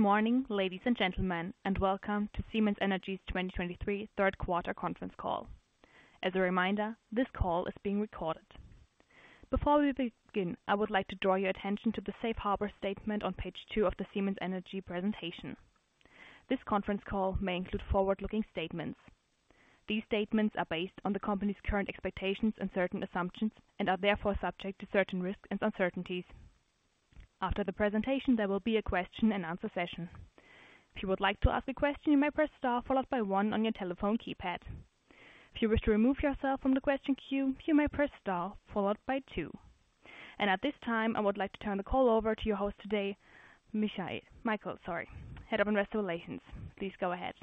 Good morning, ladies and gentlemen, and welcome to Siemens Energy's 2023 third quarter conference call. As a reminder, this call is being recorded. Before we begin, I would like to draw your attention to the safe harbor statement on page 2 of the Siemens Energy presentation. This conference call may include forward-looking statements. These statements are based on the company's current expectations and certain assumptions, and are therefore subject to certain risks and uncertainties. After the presentation, there will be a question-and-answer session. If you would like to ask a question, you may press star followed by 1 on your telephone keypad. If you wish to remove yourself from the question queue, you may press star followed by 2. At this time, I would like to turn the call over to your host today, Michael, sorry, Head of Investor Relations. Please go ahead.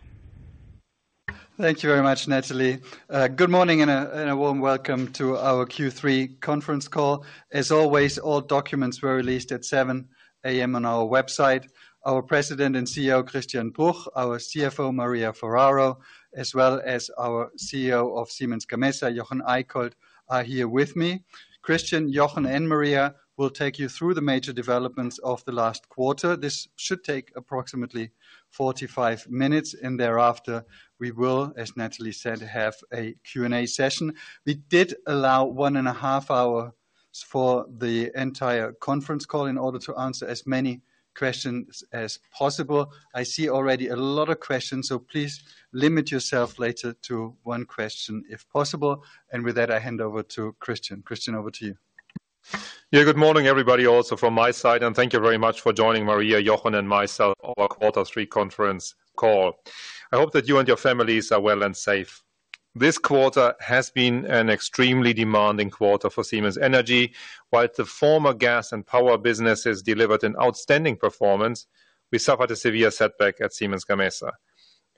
Thank you very much, Natalie. Good morning and a warm welcome to our Q3 conference call. As always, all documents were released at 7:00 A.M. on our website. Our President and CEO, Christian Bruch, our CFO, Maria Ferraro, as well as our CEO of Siemens Gamesa, Jochen Eickholt, are here with me. Christian, Jochen, and Maria will take you through the major developments of the last quarter. This should take approximately 45 minutes, thereafter, we will, as Natalie said, have a Q&A session. We did allow one and a half hours for the entire conference call in order to answer as many questions as possible. I see already a lot of questions, please limit yourself later to one question if possible. With that, I hand over to Christian. Christian, over to you. Yeah, good morning, everybody, also from my side, thank you very much for joining Maria, Jochen, and myself on our Quarter Three conference call. I hope that you and your families are well and safe. This quarter has been an extremely demanding quarter for Siemens Energy. While the former gas and power businesses delivered an outstanding performance, we suffered a severe setback at Siemens Gamesa.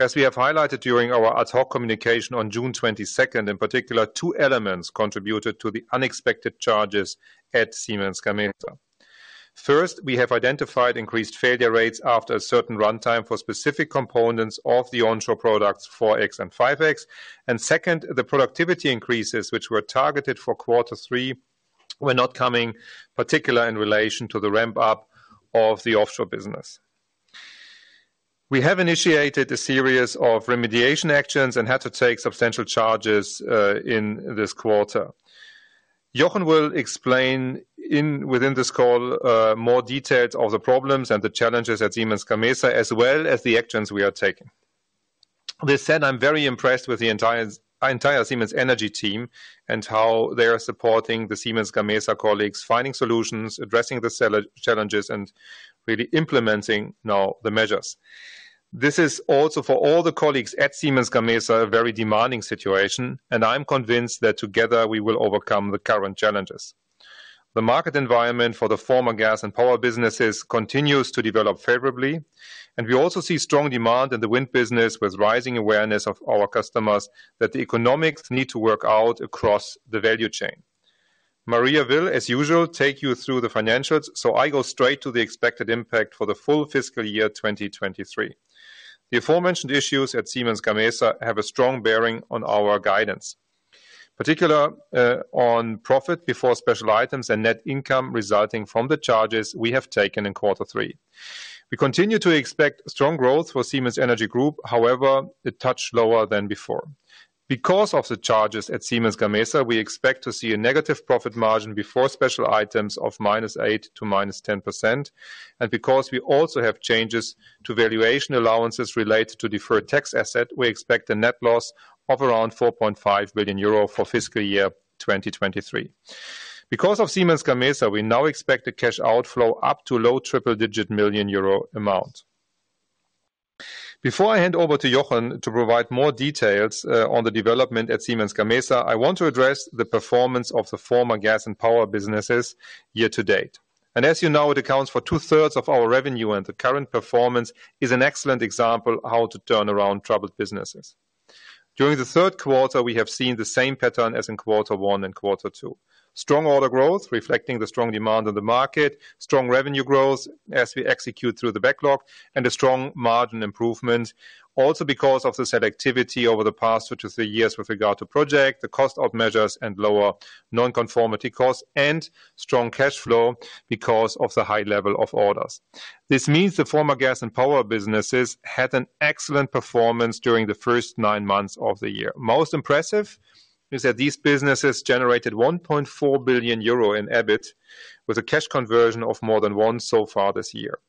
As we have highlighted during our ad hoc communication on June 22nd, in particular, two elements contributed to the unexpected charges at Siemens Gamesa. First, we have identified increased failure rates after a certain runtime for specific components of the onshore products 4.X and 5.X. Second, the productivity increases, which were targeted for Quarter Three, were not coming, particular in relation to the ramp-up of the offshore business. We have initiated a series of remediation actions and had to take substantial charges in this quarter. Jochen will explain within this call more details of the problems and the challenges at Siemens Gamesa, as well as the actions we are taking. With said, I'm very impressed with the entire, entire Siemens Energy team and how they are supporting the Siemens Gamesa colleagues, finding solutions, addressing the challenges, and really implementing now the measures. This is also for all the colleagues at Siemens Gamesa, a very demanding situation, and I'm convinced that together, we will overcome the current challenges. The market environment for the former gas and power businesses continues to develop favorably, and we also see strong demand in the wind business, with rising awareness of our customers that the economics need to work out across the value chain. Maria will, as usual, take you through the financials. I go straight to the expected impact for the full fiscal year 2023. The aforementioned issues at Siemens Gamesa have a strong bearing on our guidance, particular on profit before special items and net income resulting from the charges we have taken in Q3. We continue to expect strong growth for Siemens Energy Group, however, a touch lower than before. Because of the charges at Siemens Gamesa, we expect to see a negative profit margin before special items of -8% to -10%. Because we also have changes to valuation allowances related to deferred tax asset, we expect a net loss of around 4.5 billion euro for fiscal year 2023. Because of Siemens Gamesa, we now expect a cash outflow up to low triple-digit million EUR amount. Before I hand over to Jochen to provide more details on the development at Siemens Gamesa, I want to address the performance of the former Gas and Power businesses year to date. As you know, it accounts for 2/3 of our revenue, and the current performance is an excellent example how to turn around troubled businesses. During the third quarter, we have seen the same pattern as in Q1 and Q2. Strong order growth, reflecting the strong demand on the market, strong revenue growth as we execute through the backlog, and a strong margin improvement, also because of the selectivity over the past 2-3 years with regard to project, the cost of measures and lower non-conformity costs, and strong cash flow because of the high level of orders. This means the former gas and power businesses had an excellent performance during the first nine months of the year. Most impressive is that these businesses generated 1.4 billion euro in EBIT, with a cash conversion of more than one so far this year.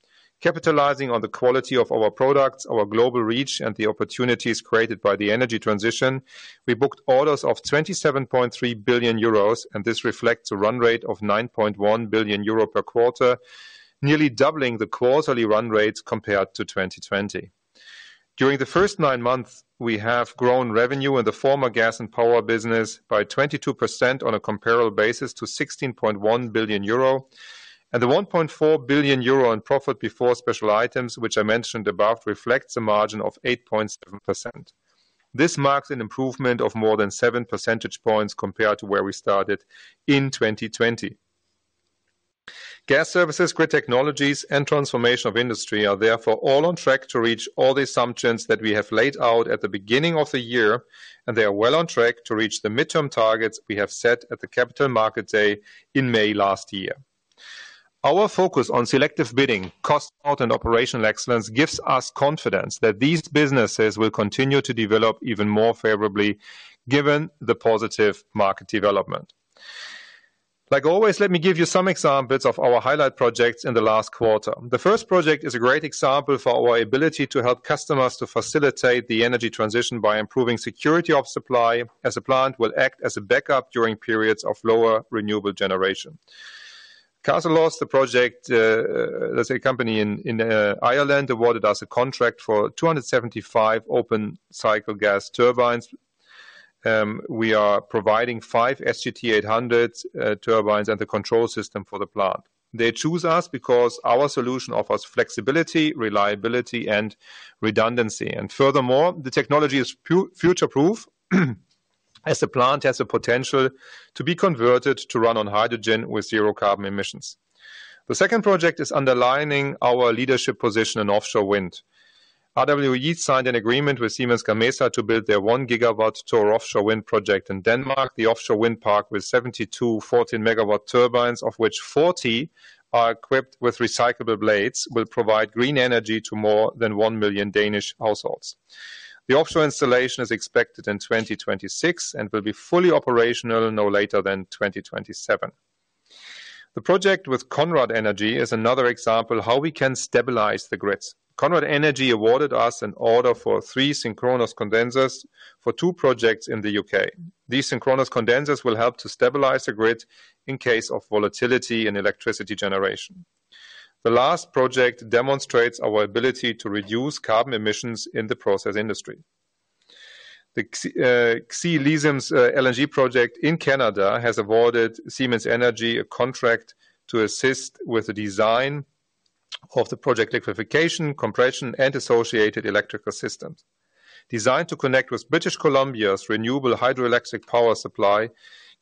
Capitalizing on the quality of our products, our global reach, and the opportunities created by the energy transition, we booked orders of 27.3 billion euros. This reflects a run rate of 9.1 billion euro per quarter, nearly doubling the quarterly run rates compared to 2020. During the first nine months, we have grown revenue in the former gas and power business by 22% on a comparable basis to 16.1 billion euro. The 1.4 billion euro in profit before special items, which I mentioned above, reflects a margin of 8.7%. This marks an improvement of more than seven percentage points compared to where we started in 2020. Gas Services, Grid Technologies, and Transformation of Industry are therefore all on track to reach all the assumptions that we have laid out at the beginning of the year, and they are well on track to reach the midterm targets we have set at the Capital Markets Day in May last year. Our focus on selective bidding, cost out, and operational excellence gives us confidence that these businesses will continue to develop even more favorably, given the positive market development. Like always, let me give you some examples of our highlight projects in the last quarter. The first project is a great example for our ability to help customers to facilitate the energy transition by improving security of supply, as the plant will act as a backup during periods of lower renewable generation. Castlelost, the project, that's a company in Ireland, awarded us a contract for 275 open cycle gas turbines. We are providing five SGT-800 turbines and the control system for the plant. They choose us because our solution offers flexibility, reliability, and redundancy. Furthermore, the technology is future-proof, as the plant has the potential to be converted to run on hydrogen with zero carbon emissions. The second project is underlining our leadership position in offshore wind. RWE signed an agreement with Siemens Gamesa to build their 1 GW Thor offshore wind project in Denmark. The offshore wind park, with 72 14-megawatt turbines, of which 40 are equipped with recyclable blades, will provide green energy to more than 1 million Danish households. The offshore installation is expected in 2026 and will be fully operational no later than 2027. The project with Conrad Energy is another example how we can stabilize the grids. Conrad Energy awarded us an order for three synchronous condensers for two projects in the UK. These synchronous condensers will help to stabilize the grid in case of volatility and electricity generation. The last project demonstrates our ability to reduce carbon emissions in the process industry. Ksi Lisims LNG project in Canada has awarded Siemens Energy a contract to assist with the design of the project: liquification, compression, and associated electrical systems. Designed to connect with British Columbia's renewable hydroelectric power supply,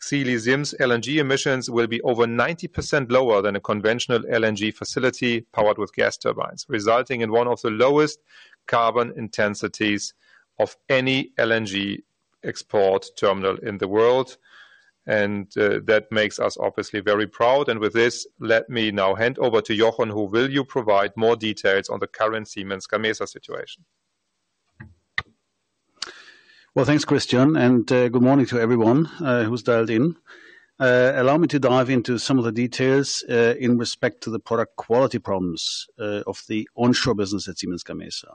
Ksi Lisims' LNG emissions will be over 90% lower than a conventional LNG facility powered with gas turbines, resulting in one of the lowest carbon intensities of any LNG export terminal in the world. That makes us obviously very proud. With this, let me now hand over to Jochen, who will you provide more details on the current Siemens Gamesa situation? Well, thanks, Christian. Good morning to everyone who's dialed in. Allow me to dive into some of the details in respect to the product quality problems of the onshore business at Siemens Gamesa.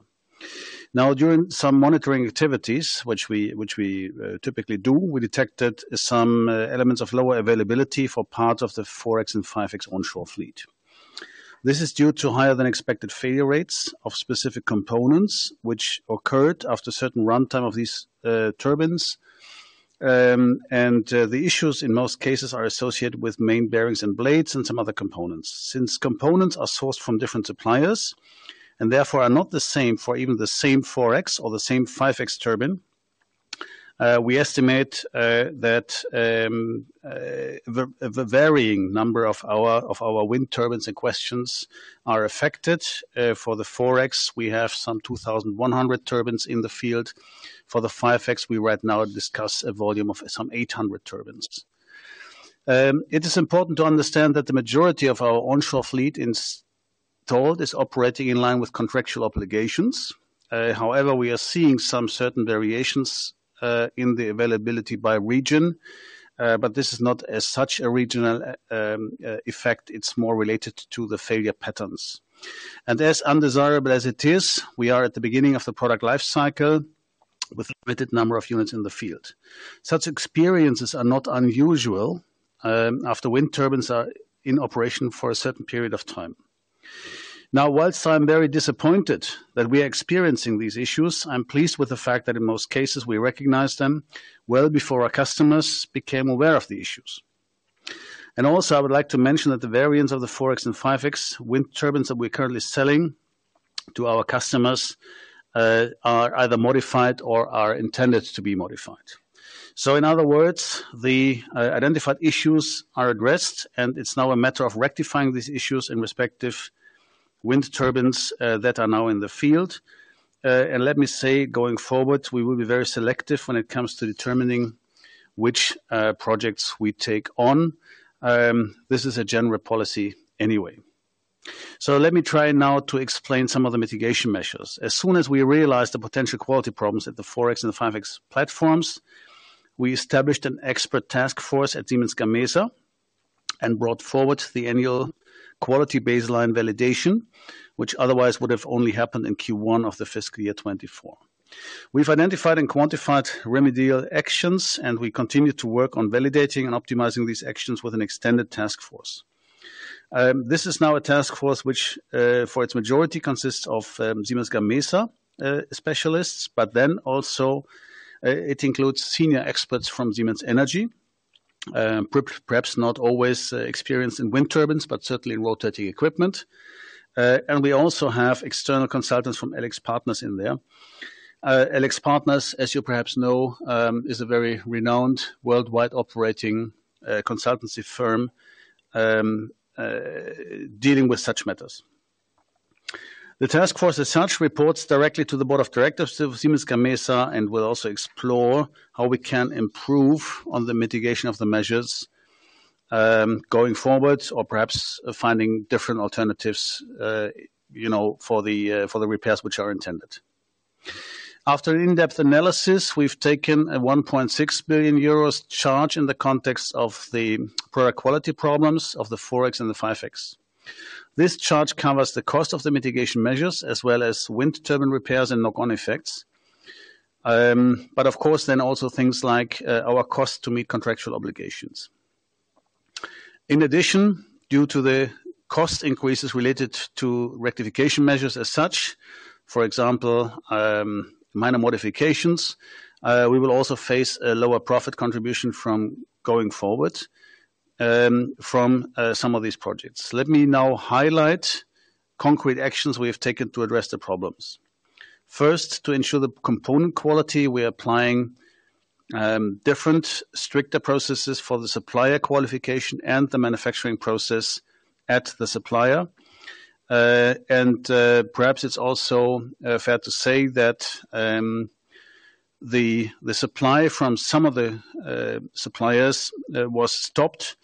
Now, during some monitoring activities, which we, which we typically do, we detected some elements of lower availability for parts of the 4.X and 5.X onshore fleet. This is due to higher-than-expected failure rates of specific components, which occurred after certain runtime of these turbines. The issues, in most cases, are associated with main bearings and blades and some other components. Since components are sourced from different suppliers, and therefore are not the same for even the same 4.X or the same 5.X turbine, we estimate that the, the varying number of our, of our wind turbines in questions are affected. For the 4.X, we have some 2,100 turbines in the field. For the 5.X, we right now discuss a volume of some 800 turbines. It is important to understand that the majority of our onshore fleet in total is operating in line with contractual obligations. However, we are seeing some certain variations in the availability by region, but this is not as such a regional effect, it's more related to the failure patterns. As undesirable as it is, we are at the beginning of the product life cycle with a limited number of units in the field. Such experiences are not unusual after wind turbines are in operation for a certain period of time. Now, whilst I'm very disappointed that we are experiencing these issues, I'm pleased with the fact that in most cases we recognize them well before our customers became aware of the issues. Also, I would like to mention that the variants of the 4X and 5X wind turbines that we're currently selling to our customers are either modified or are intended to be modified. In other words, the identified issues are addressed, and it's now a matter of rectifying these issues in respective wind turbines that are now in the field. Let me say, going forward, we will be very selective when it comes to determining which projects we take on. This is a general policy anyway. Let me try now to explain some of the mitigation measures. As soon as we realized the potential quality problems at the 4X and the 5X platforms, we established an expert task force at Siemens Gamesa and brought forward the annual quality baseline validation, which otherwise would have only happened in Q1 of the fiscal year 2024. We've identified and quantified remedial actions, and we continue to work on validating and optimizing these actions with an extended task force. This is now a task force which, for its majority, consists of Siemens Gamesa specialists, but then also it includes senior experts from Siemens Energy. Perhaps not always experienced in wind turbines, but certainly in rotating equipment. We also have external consultants from AlixPartners in there. AlixPartners, as you perhaps know, is a very renowned worldwide operating consultancy firm, dealing with such matters.... The task force as such, reports directly to the board of directors of Siemens Gamesa, and will also explore how we can improve on the mitigation of the measures going forward, or perhaps finding different alternatives, you know, for the repairs which are intended. After an in-depth analysis, we've taken a 1.6 billion euros charge in the context of the product quality problems of the 4.X and the 5.X. This charge covers the cost of the mitigation measures, as well as wind turbine repairs and knock-on effects. But of course, then also things like our cost to meet contractual obligations. In addition, due to the cost increases related to rectification measures as such, for example, minor modifications, we will also face a lower profit contribution from going forward from some of these projects. Let me now highlight concrete actions we have taken to address the problems. First, to ensure the component quality, we are applying different, stricter processes for the supplier qualification and the manufacturing process at the supplier. Perhaps it's also fair to say that the supply from some of the suppliers was stopped.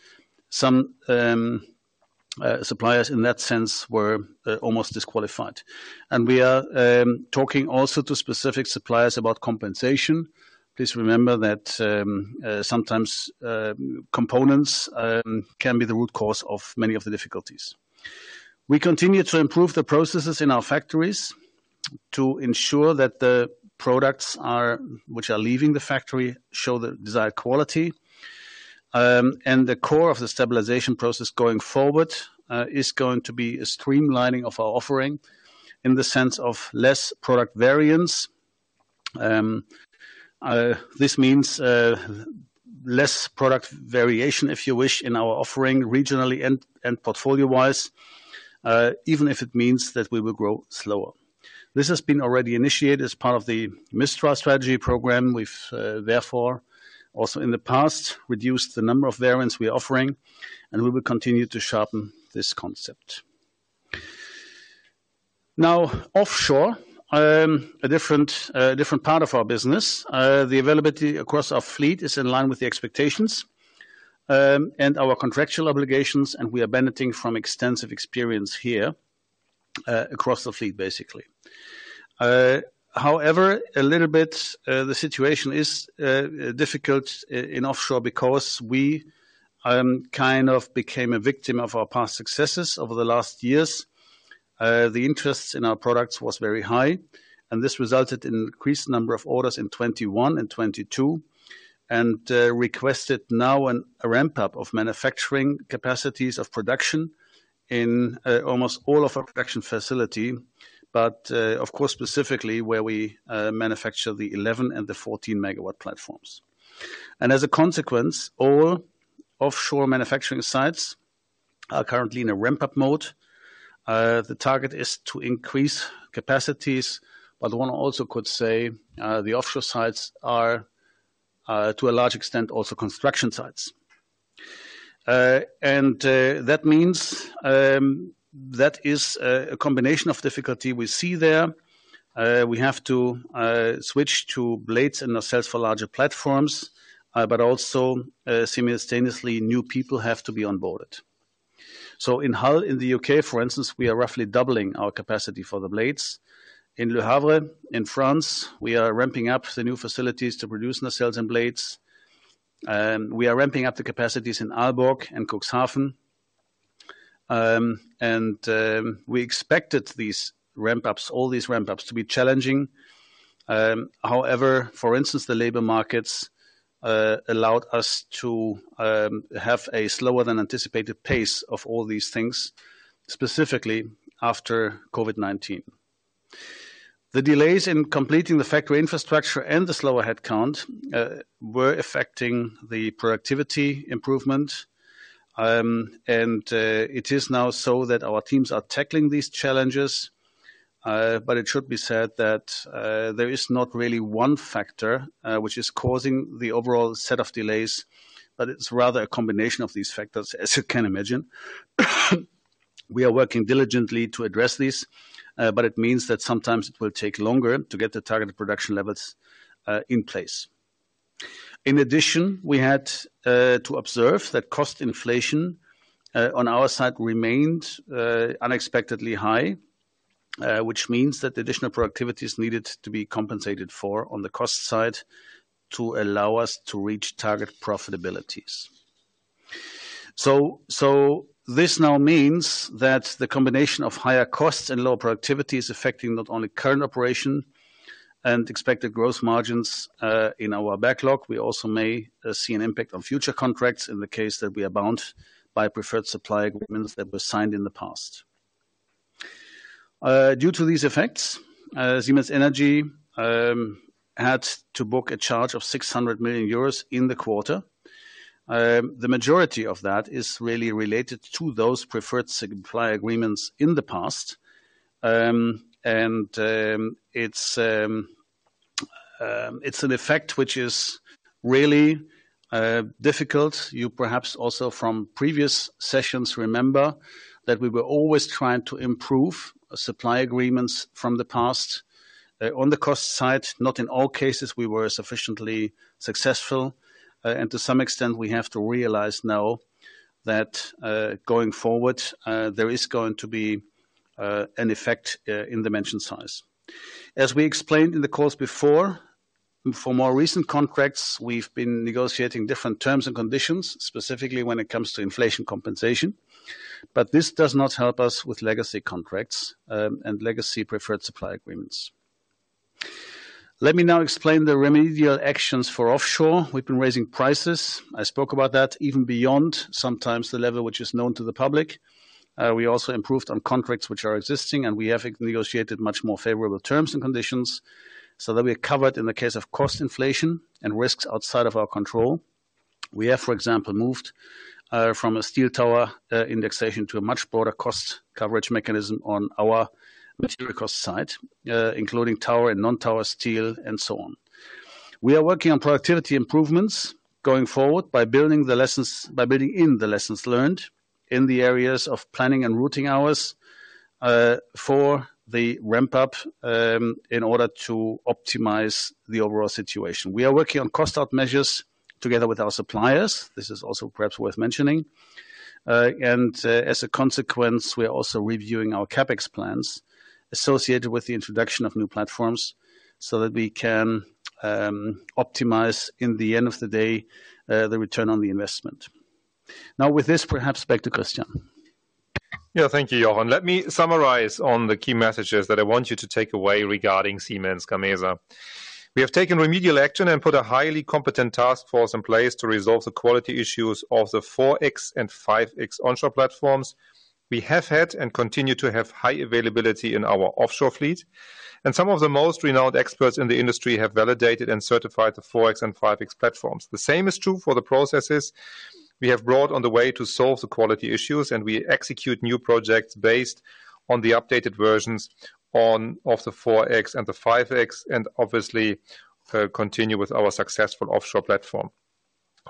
Some suppliers in that sense were almost disqualified. We are talking also to specific suppliers about compensation. Please remember that sometimes components can be the root cause of many of the difficulties. We continue to improve the processes in our factories to ensure that the products which are leaving the factory, show the desired quality. The core of the stabilization process going forward is going to be a streamlining of our offering in the sense of less product variance. This means less product variation, if you wish, in our offering regionally and portfolio-wise, even if it means that we will grow slower. This has been already initiated as part of the Mistral strategy program. We've, therefore, also in the past, reduced the number of variants we are offering, and we will continue to sharpen this concept. Offshore, a different, a different part of our business. The availability across our fleet is in line with the expectations and our contractual obligations, and we are benefiting from extensive experience here across the fleet, basically. However, a little bit, the situation is difficult in offshore because we kind of became a victim of our past successes over the last years. The interest in our products was very high, and this resulted in increased number of orders in 2021 and 2022. Requested now a ramp-up of manufacturing capacities of production in almost all of our production facility, but, of course, specifically, where we manufacture the 11 and the 14-megawatt platforms. As a consequence, all offshore manufacturing sites are currently in a ramp-up mode. The target is to increase capacities, but one also could say, the offshore sites are to a large extent, also construction sites. That means that is a combination of difficulty we see there. We have to switch to blades and nacelles for larger platforms, but also, simultaneously, new people have to be onboarded. In Hull, in the UK, for instance, we are roughly doubling our capacity for the blades. In Le Havre, in France, we are ramping up the new facilities to produce nacelles and blades. We are ramping up the capacities in Aalborg and Cuxhaven. We expected these ramp-ups, all these ramp-ups to be challenging. However, for instance, the labor markets allowed us to have a slower than anticipated pace of all these things, specifically after COVID-19. The delays in completing the factory infrastructure and the slower headcount were affecting the productivity improvement. It is now so that our teams are tackling these challenges, but it should be said that there is not really one factor which is causing the overall set of delays, but it's rather a combination of these factors, as you can imagine. We are working diligently to address this, but it means that sometimes it will take longer to get the targeted production levels in place. In addition, we had to observe that cost inflation on our side remained unexpectedly high, which means that additional productivity is needed to be compensated for on the cost side, to allow us to reach target profitabilities. This now means that the combination of higher costs and lower productivity is affecting not only current operation and expected growth margins, in our backlog, we also may see an impact on future contracts in the case that we are bound by preferred supply agreements that were signed in the past. Due to these effects, Siemens Energy had to book a charge of 600 million euros in the quarter. The majority of that is really related to those preferred supply agreements in the past. It's an effect which is really difficult. You perhaps also from previous sessions, remember that we were always trying to improve supply agreements from the past. On the cost side, not in all cases, we were sufficiently successful. To some extent, we have to realize now that going forward, there is going to be an effect in dimension size. As we explained in the course before, for more recent contracts, we've been negotiating different terms and conditions, specifically when it comes to inflation compensation, but this does not help us with legacy contracts and legacy preferred supply agreements. Let me now explain the remedial actions for offshore. We've been raising prices. I spoke about that even beyond sometimes the level which is known to the public. We also improved on contracts which are existing, and we have negotiated much more favorable terms and conditions so that we are covered in the case of cost inflation and risks outside of our control. We have, for example, moved from a steel tower indexation to a much broader cost coverage mechanism on our material cost side, including tower and non-tower steel, and so on. We are working on productivity improvements going forward by building in the lessons learned in the areas of planning and routing hours for the ramp up in order to optimize the overall situation. We are working on cost out measures together with our suppliers. This is also perhaps worth mentioning. As a consequence, we are also reviewing our CapEx plans associated with the introduction of new platforms, so that we can optimize, in the end of the day, the return on the investment. Now, with this, perhaps back to Christian. Yeah. Thank you, Jochen. Let me summarize on the key messages that I want you to take away regarding Siemens Gamesa. We have taken remedial action and put a highly competent task force in place to resolve the quality issues of the 4.X and 5.X onshore platforms. We have had and continue to have high availability in our offshore fleet, and some of the most renowned experts in the industry have validated and certified the 4.X and 5.X platforms. The same is true for the processes we have brought on the way to solve the quality issues, and we execute new projects based on the updated versions of the 4.X and the 5.X, and obviously, continue with our successful offshore platform.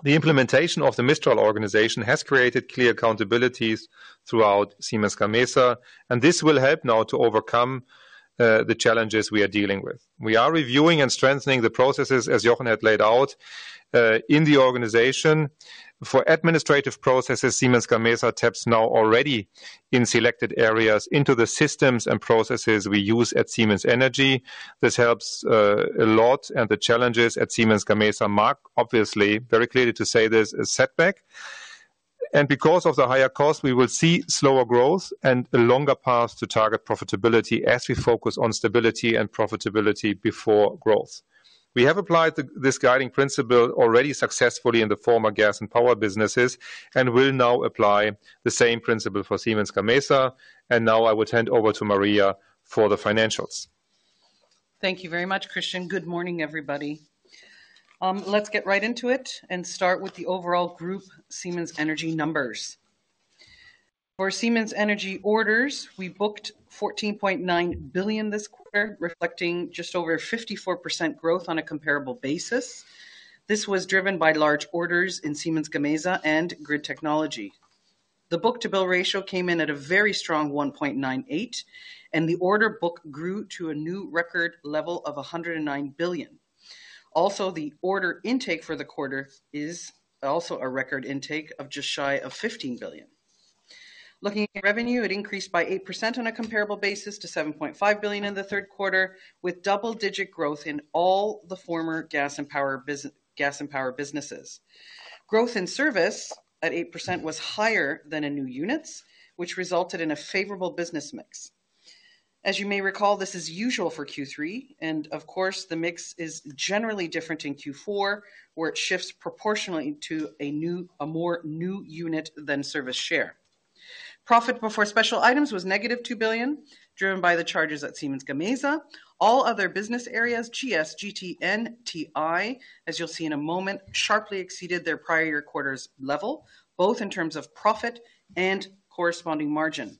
The implementation of the Mistral organization has created clear accountabilities throughout Siemens Gamesa, and this will help now to overcome the challenges we are dealing with. We are reviewing and strengthening the processes, as Jochen had laid out, in the organization. For administrative processes, Siemens Gamesa taps now already in selected areas into the systems and processes we use at Siemens Energy. This helps a lot and the challenges at Siemens Gamesa mark, obviously, very clearly to say there's a setback. Because of the higher cost, we will see slower growth and a longer path to target profitability as we focus on stability and profitability before growth. We have applied th-this guiding principle already successfully in the former gas and power businesses, and will now apply the same principle for Siemens Gamesa. Now I will hand over to Maria for the financials. Thank you very much, Christian. Good morning, everybody. Let's get right into it and start with the overall group, Siemens Energy numbers. For Siemens Energy orders, we booked 14.9 billion this quarter, reflecting just over 54% growth on a comparable basis. This was driven by large orders in Siemens Gamesa and Grid Technology. The book-to-bill ratio came in at a very strong 1.98, and the order book grew to a new record level of 109 billion. The order intake for the quarter is also a record intake of just shy of 15 billion. Looking at revenue, it increased by 8% on a comparable basis to 7.5 billion in the third quarter, with double-digit growth in all the former gas and power businesses. Growth in service at 8% was higher than in new units, which resulted in a favorable business mix. As you may recall, this is usual for Q3, of course, the mix is generally different in Q4, where it shifts proportionally to a more new unit than service share. Profit before special items was -2 billion, driven by the charges at Siemens Gamesa. All other business areas, GS, GT, and TI, as you'll see in a moment, sharply exceeded their prior year quarter's level, both in terms of profit and corresponding margin.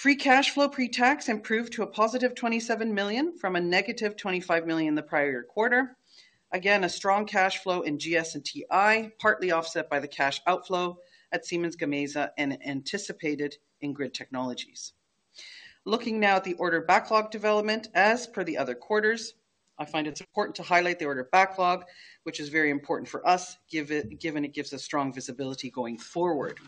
Free cash flow pre-tax improved to 27 million from -25 million in the prior year quarter. A strong cash flow in GS and TI, partly offset by the cash outflow at Siemens Gamesa and anticipated in Grid Technologies. Looking now at the order backlog development, as per the other quarters, I find it important to highlight the order backlog, which is very important for us, given it gives us strong visibility going forward.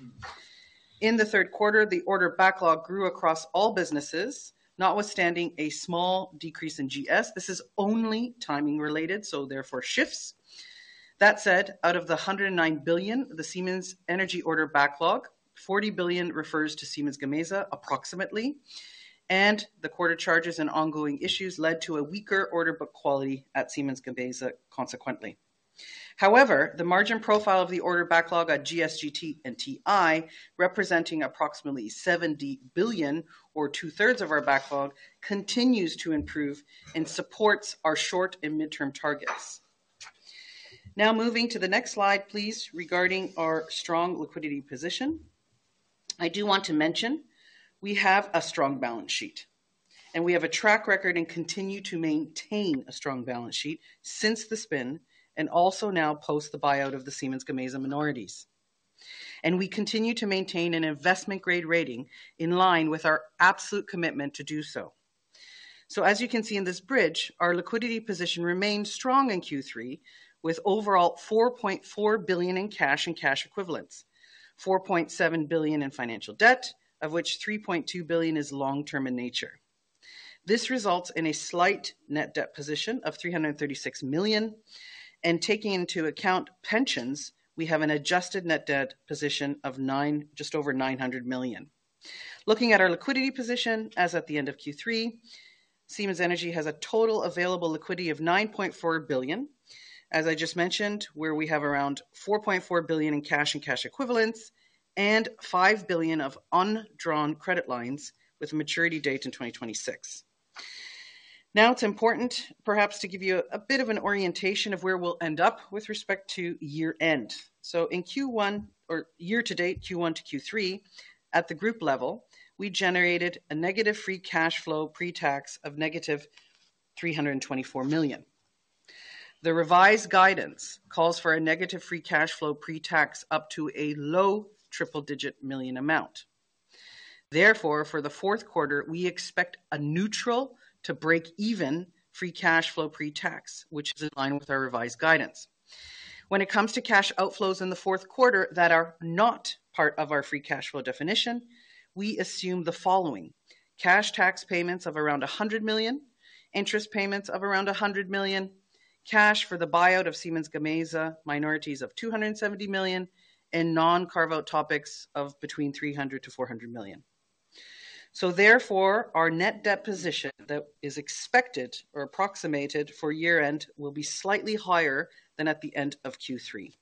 In the third quarter, the order backlog grew across all businesses, notwithstanding a small decrease in GS. This is only timing related, therefore, shifts. That said, out of the 109 billion, the Siemens Energy order backlog, 40 billion refers to Siemens Gamesa, approximately, and the quarter charges and ongoing issues led to a weaker order book quality at Siemens Gamesa, consequently. However, the margin profile of the order backlog at GS, GT, and TI, representing approximately 70 billion or 2/3 of our backlog, continues to improve and supports our short and midterm targets. Now moving to the next slide, please, regarding our strong liquidity position. I do want to mention, we have a strong balance sheet, we have a track record and continue to maintain a strong balance sheet since the spin, and also now post the buyout of the Siemens Gamesa minorities. We continue to maintain an investment-grade rating in line with our absolute commitment to do so. As you can see in this bridge, our liquidity position remains strong in Q3, with overall 4.4 billion in cash and cash equivalents, 4.7 billion in financial debt, of which 3.2 billion is long-term in nature. This results in a slight net debt position of 336 million, and taking into account pensions, we have an adjusted net debt position of just over 900 million. Looking at our liquidity position, as at the end of Q3, Siemens Energy has a total available liquidity of 9.4 billion. As I just mentioned, where we have around 4.4 billion in cash and cash equivalents, and 5 billion of undrawn credit lines with a maturity date in 2026. It's important perhaps to give you a bit of an orientation of where we'll end up with respect to year-end. In Q1 or year to date, Q1 to Q3, at the group level, we generated a negative free cash flow pre-tax of negative 324 million. The revised guidance calls for a negative free cash flow pre-tax up to a low triple-digit million amount. For the fourth quarter, we expect a neutral to break-even free cash flow pre-tax, which is in line with our revised guidance. When it comes to cash outflows in the fourth quarter that are not part of our free cash flow definition, we assume the following: cash tax payments of around 100 million, interest payments of around 100 million, cash for the buyout of Siemens Gamesa, minorities of 270 million, and non-carve-out topics of between 300 million to 400 million. Therefore, our net debt position that is expected or approximated for year-end will be slightly higher than at the end of Q3.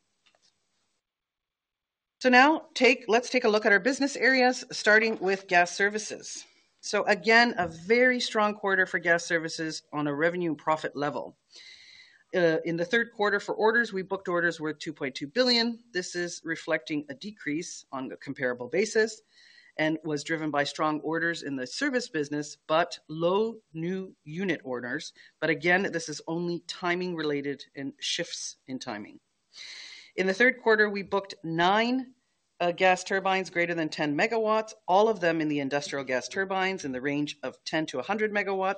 Now let's take a look at our business areas, starting with Gas Services. Again, a very strong quarter for Gas Services on a revenue and profit level. In the third quarter for orders, we booked orders worth 2.2 billion. This is reflecting a decrease on a comparable basis and was driven by strong orders in the service business, but low new unit orders. Again, this is only timing related and shifts in timing. In the third quarter, we booked 9 gas turbines greater than 10 MW, all of them in the industrial gas turbines in the range of 10-100 MW.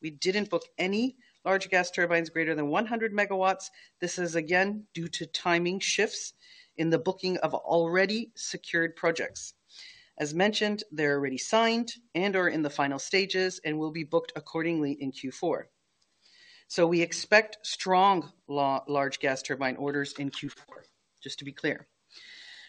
We didn't book any large gas turbines greater than 100 MW. This is again due to timing shifts in the booking of already secured projects. As mentioned, they're already signed and are in the final stages and will be booked accordingly in Q4. We expect strong large gas turbine orders in Q4, just to be clear.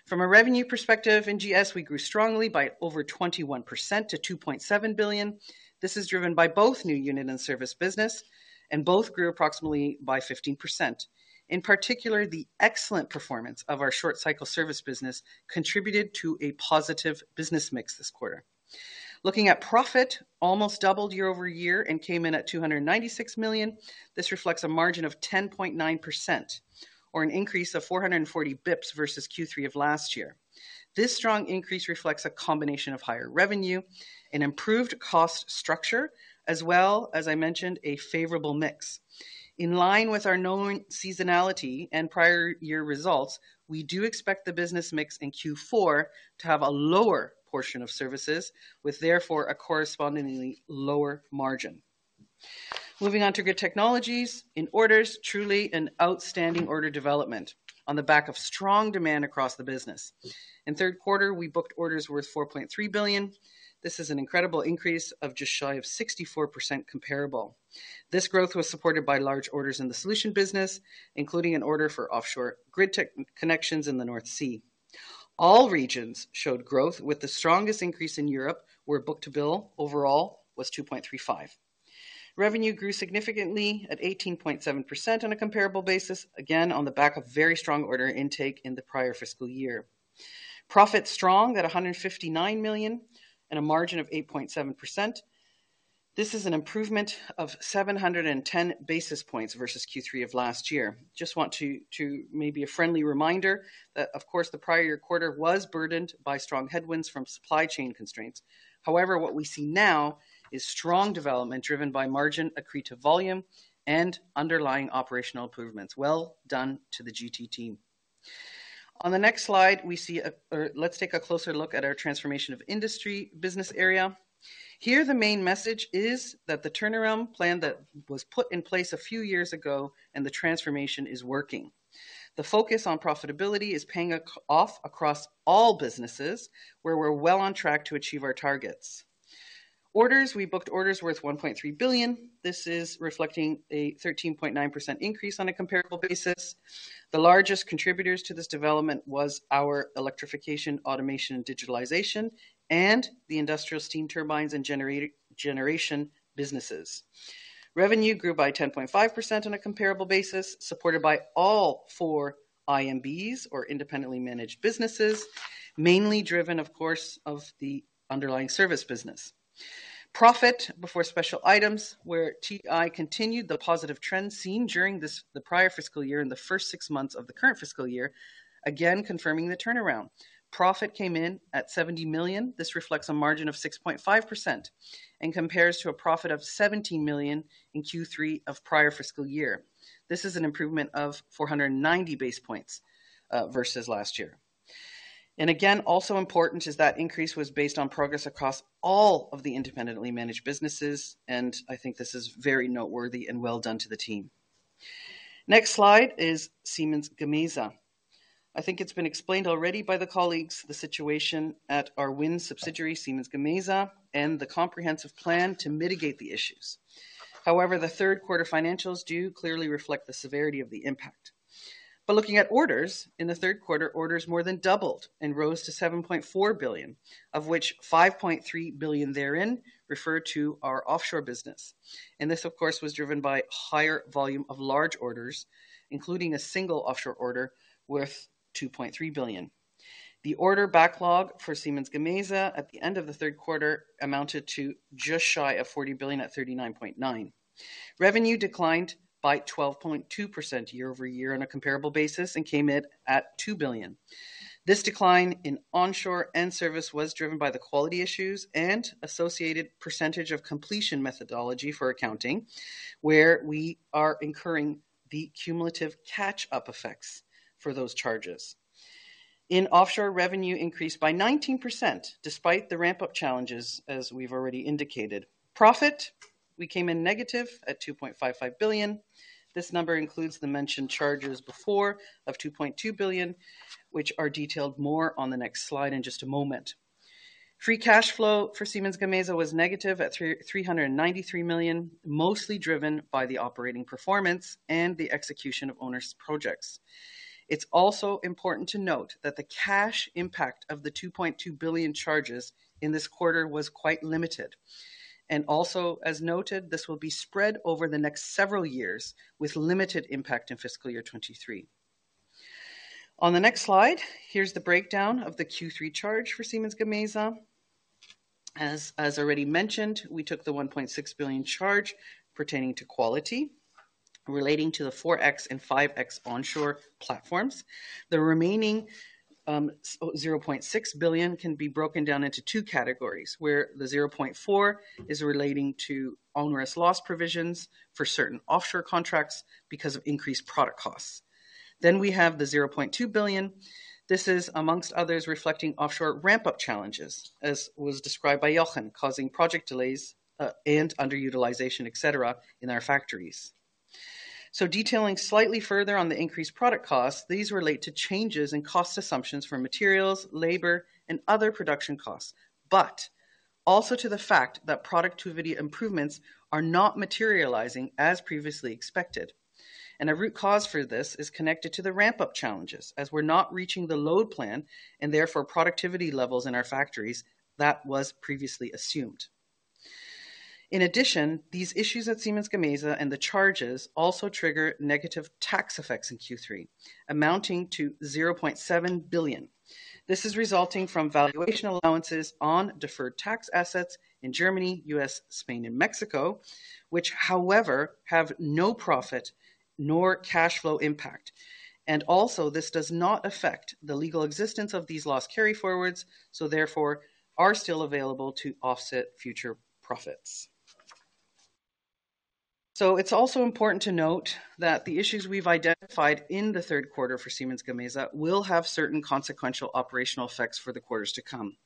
From a revenue perspective, in GS, we grew strongly by over 21% to 2.7 billion. This is driven by both new unit and service business, and both grew approximately by 15%. In particular, the excellent performance of our short-cycle service business contributed to a positive business mix this quarter. Looking at profit, almost doubled year-over-year and came in at 296 million. This reflects a margin of 10.9% or an increase of 440 bips versus Q3 of last year. This strong increase reflects a combination of higher revenue and improved cost structure, as well as I mentioned, a favorable mix. In line with our known seasonality and prior year results, we do expect the business mix in Q4 to have a lower portion of services, with therefore a correspondingly lower margin. Moving on to Grid Technologies, in orders, truly an outstanding order development on the back of strong demand across the business. In third quarter, we booked orders worth 4.3 billion. This is an incredible increase of just shy of 64% comparable. This growth was supported by large orders in the solution business, including an order for offshore Grid Tech connections in the North Sea. All regions showed growth, with the strongest increase in Europe, where book-to-bill overall was 2.35. Revenue grew significantly at 18.7% on a comparable basis, again, on the back of very strong order intake in the prior fiscal year. Profit strong at 159 million and a margin of 8.7%. This is an improvement of 710 basis points versus Q3 of last year. Just want to maybe a friendly reminder that, of course, the prior year quarter was burdened by strong headwinds from supply chain constraints. What we see now is strong development driven by margin accretive volume and underlying operational improvements. Well done to the GT team. On the next slide, we see or let's take a closer look at our Transformation of Industry business area. Here, the main message is that the turnaround plan that was put in place a few years ago and the transformation is working. The focus on profitability is paying off across all businesses, where we're well on track to achieve our targets. Orders, we booked orders worth 1.3 billion. This is reflecting a 13.9% increase on a comparable basis. The largest contributors to this development was our Electrification, Automation, and Digitalization, and the industrial steam turbines and generation businesses. Revenue grew by 10.5% on a comparable basis, supported by all 4 IMBs, or independently managed businesses, mainly driven, of course, of the underlying service business. Profit before special items, where TI continued the positive trend seen during the prior fiscal year and the first 6 months of the current fiscal year, again, confirming the turnaround. Profit came in at 70 million. This reflects a margin of 6.5% and compares to a profit of 17 million in Q3 of prior fiscal year. This is an improvement of 490 basis points versus last year. Again, also important is that increase was based on progress across all of the independently managed businesses, and I think this is very noteworthy and well done to the team. Next slide is Siemens Gamesa. I think it's been explained already by the colleagues, the situation at our wind subsidiary, Siemens Gamesa, and the comprehensive plan to mitigate the issues. However, the third quarter financials do clearly reflect the severity of the impact. Looking at orders, in the third quarter, orders more than doubled and rose to 7.4 billion, of which 5.3 billion therein referred to our offshore business. This, of course, was driven by higher volume of large orders, including a single offshore order worth 2.3 billion. The order backlog for Siemens Gamesa at the end of the third quarter amounted to just shy of 40 billion at 39.9 billion. Revenue declined by 12.2% year-over-year on a comparable basis and came in at 2 billion. This decline in onshore and service was driven by the quality issues and associated percentage of completion methodology for accounting, where we are incurring the cumulative catch-up effects for those charges. In offshore, revenue increased by 19% despite the ramp-up challenges, as we've already indicated. Profit, we came in negative at 2.55 billion. This number includes the mentioned charges before of 2.2 billion, which are detailed more on the next slide in just a moment. Free cash flow for Siemens Gamesa was negative at 393 million, mostly driven by the operating performance and the execution of owners' projects. It's also important to note that the cash impact of the 2.2 billion charges in this quarter was quite limited. Also, as noted, this will be spread over the next several years with limited impact in fiscal year 2023. On the next slide, here's the breakdown of the Q3 charge for Siemens Gamesa. As, as already mentioned, we took the 1.6 billion charge pertaining to quality, relating to the 4.X and 5.X onshore platforms. The remaining, so 0.6 billion can be broken down into two categories, where the 0.4 is relating to onerous loss provisions for certain offshore contracts because of increased product costs. We have the 0.2 billion. This is, amongst others, reflecting offshore ramp-up challenges, as was described by Jochen, causing project delays and underutilization, et cetera, in our factories. Detailing slightly further on the increased product costs, these relate to changes in cost assumptions for materials, labor, and other production costs, but also to the fact that productivity improvements are not materializing as previously expected. A root cause for this is connected to the ramp-up challenges, as we're not reaching the load plan and therefore productivity levels in our factories that was previously assumed. In addition, these issues at Siemens Gamesa and the charges also trigger negative tax effects in Q3, amounting to 0.7 billion. This is resulting from valuation allowances on deferred tax assets in Germany, U.S., Spain, and Mexico, which, however, have no profit nor cash flow impact. Also, this does not affect the legal existence of these loss carryforwards, so therefore are still available to offset future profits. It's also important to note that the issues we've identified in the third quarter for Siemens Gamesa will have certain consequential operational effects for the quarters to come.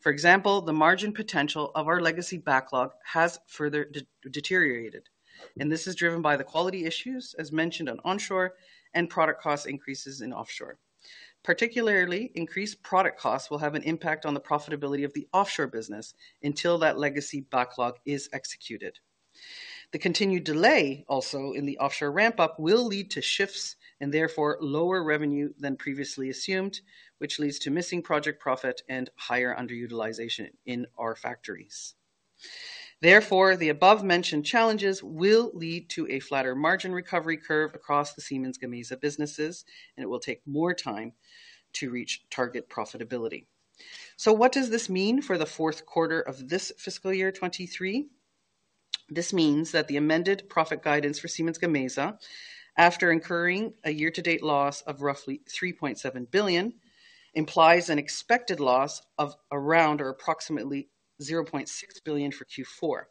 For example, the margin potential of our legacy backlog has further deteriorated. This is driven by the quality issues, as mentioned on onshore, and product cost increases in offshore. Particularly, increased product costs will have an impact on the profitability of the offshore business until that legacy backlog is executed. The continued delay, also in the offshore ramp-up, will lead to shifts and therefore lower revenue than previously assumed, which leads to missing project profit and higher underutilization in our factories. The above-mentioned challenges will lead to a flatter margin recovery curve across the Siemens Gamesa businesses. It will take more time to reach target profitability. What does this mean for the fourth quarter of this fiscal year, 23? This means that the amended profit guidance for Siemens Gamesa, after incurring a year-to-date loss of roughly 3.7 billion, implies an expected loss of around or approximately 0.6 billion for Q4.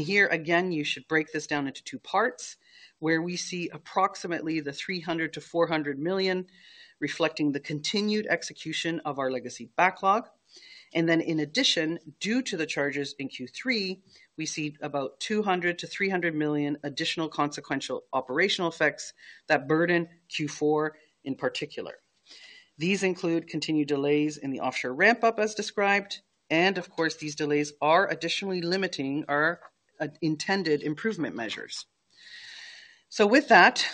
Here, again, you should break this down into two parts, where we see approximately the 300 million-400 million, reflecting the continued execution of our legacy backlog. Then in addition, due to the charges in Q3, we see about 200 million-300 million additional consequential operational effects that burden Q4 in particular. These include continued delays in the offshore ramp-up as described, of course, these delays are additionally limiting our intended improvement measures. With that,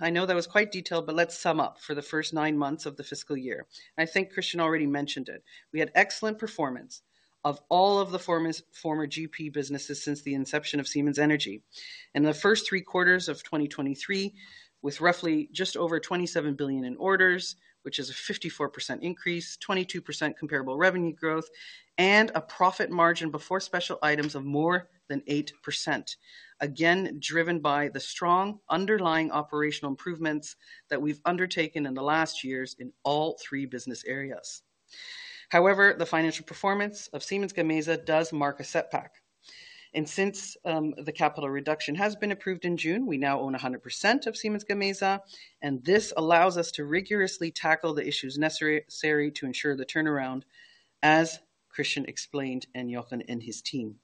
I know that was quite detailed, but let's sum up for the first nine months of the fiscal year. I think Christian already mentioned it. We had excellent performance of all of the former GP businesses since the inception of Siemens Energy. The first three quarters of 2023, with roughly just over 27 billion in orders, which is a 54% increase, 22% comparable revenue growth, and a profit margin before special items of more than 8%. Again, driven by the strong underlying operational improvements that we've undertaken in the last years in all 3 business areas. However, the financial performance of Siemens Gamesa does mark a setback. Since the capital reduction has been approved in June, we now own 100% of Siemens Gamesa, and this allows us to rigorously tackle the issues necessary, necessary to ensure the turnaround, as Christian explained, and Jochen and his team.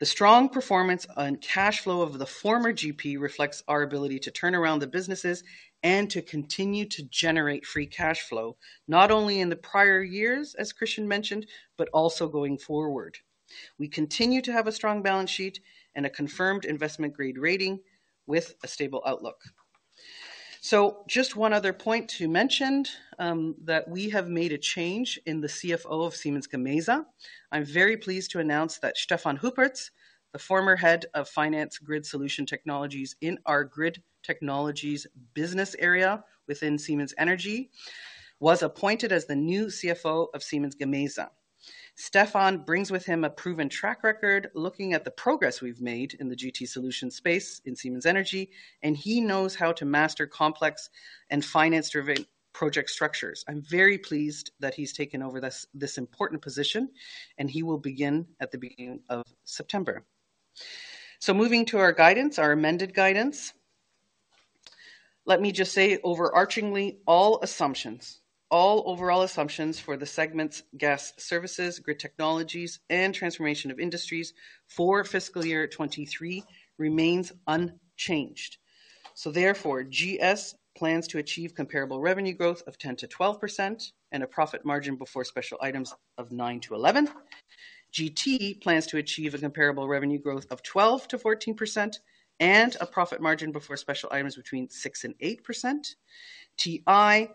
The strong performance on cash flow of the former GP reflects our ability to turn around the businesses and to continue to generate free cash flow, not only in the prior years, as Christian mentioned, but also going forward. We continue to have a strong balance sheet and a confirmed investment-grade rating with a stable outlook. Just one other point to mention, that we have made a change in the CFO of Siemens Gamesa. I'm very pleased to announce that Stefan Huppertz, the former head of Finance Grid Solution Technologies in our Grid Technologies business area within Siemens Energy, was appointed as the new CFO of Siemens Gamesa. Stefan brings with him a proven track record, looking at the progress we've made in the GT solution space in Siemens Energy, and he knows how to master complex and finance-driven project structures. I'm very pleased that he's taken over this, this important position. He will begin at the beginning of September. Moving to our guidance, our amended guidance. Let me just say overarchingly, all assumptions, all overall assumptions for the segments, Gas Services, Grid Technologies, and Transformation of Industries for fiscal year 2023 remains unchanged. Therefore, GS plans to achieve comparable revenue growth of 10%-12% and a profit margin before special items of 9%-11%. GT plans to achieve a comparable revenue growth of 12%-14% and a profit margin before special items between 6% and 8%. TI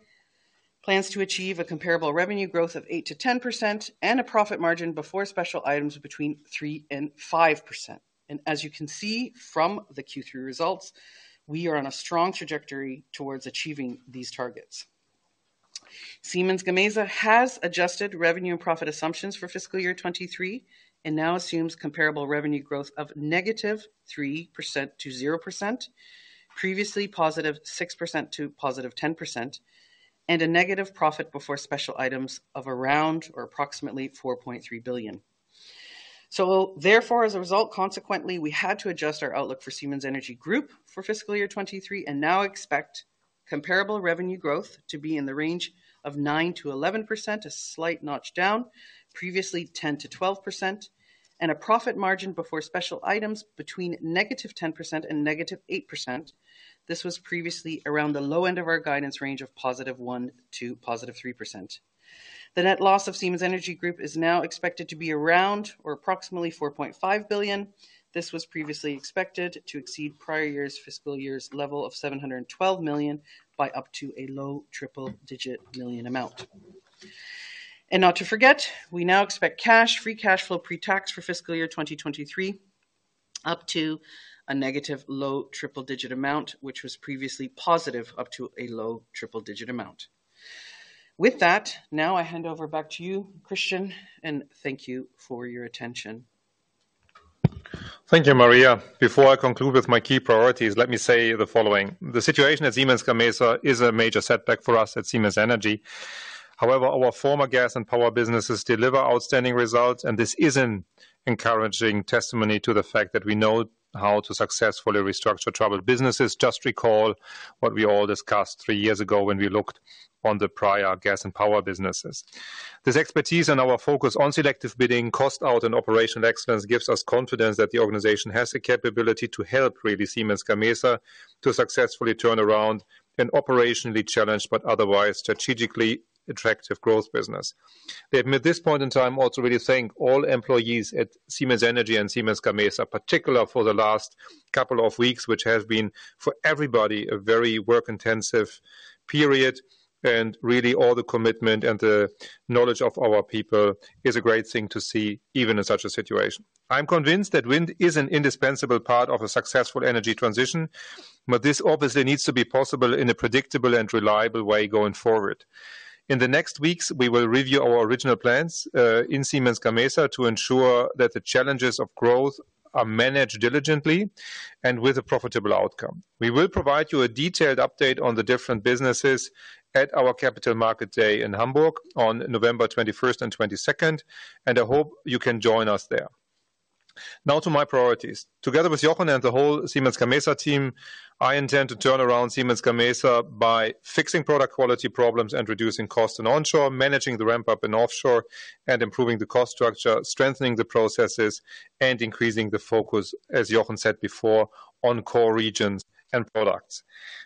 plans to achieve a comparable revenue growth of 8%-10% and a profit margin before special items between 3% and 5%. As you can see from the Q3 results, we are on a strong trajectory towards achieving these targets. Siemens Gamesa has adjusted revenue and profit assumptions for fiscal year 2023 and now assumes comparable revenue growth of -3%-0%, previously +6%-+10%, and a negative profit before special items of around or approximately 4.3 billion. Therefore, as a result, consequently, we had to adjust our outlook for Siemens Energy Group for fiscal year 2023 and now expect comparable revenue growth to be in the range of 9%-11%, a slight notch down, previously 10%-12%, and a profit margin before special items between -10% and -8%. This was previously around the low end of our guidance range of +1%-+3%. The net loss of Siemens Energy Group is now expected to be around or approximately 4.5 billion. This was previously expected to exceed prior year's fiscal year's level of 712 million by up to a EUR low triple-digit million amount. Not to forget, we now expect cash, free cash flow pre-tax for fiscal year 2023, up to a EUR negative low triple-digit amount, which was previously positive up to a EUR low triple-digit amount. With that, now I hand over back to you, Christian, and thank you for your attention. Thank you, Maria. Before I conclude with my key priorities, let me say the following: The situation at Siemens Gamesa is a major setback for us at Siemens Energy. However, our former gas and power businesses deliver outstanding results, and this is an encouraging testimony to the fact that we know how to successfully restructure troubled businesses. Just recall what we all discussed three years ago when we looked on the prior gas and power businesses. This expertise and our focus on selective bidding, cost out, and operational excellence gives us confidence that the organization has the capability to help really Siemens Gamesa to successfully turn around an operationally challenged, but otherwise strategically attractive growth business. Let me at this point in time also really thank all employees at Siemens Energy and Siemens Gamesa, particular for the last couple of weeks, which has been for everybody, a very work-intensive period, and really all the commitment and the knowledge of our people is a great thing to see, even in such a situation. I'm convinced that wind is an indispensable part of a successful energy transition. This obviously needs to be possible in a predictable and reliable way going forward. In the next weeks, we will review our original plans in Siemens Gamesa to ensure that the challenges of growth are managed diligently and with a profitable outcome. We will provide you a detailed update on the different businesses at our Capital Market Day in Hamburg on November 21st and 22nd. I hope you can join us there. Now to my priorities. Together with Jochen and the whole Siemens Gamesa team, I intend to turn around Siemens Gamesa by fixing product quality problems and reducing costs in onshore, managing the ramp-up in offshore, and improving the cost structure, strengthening the processes, and increasing the focus, as Jochen said before, on core regions and products.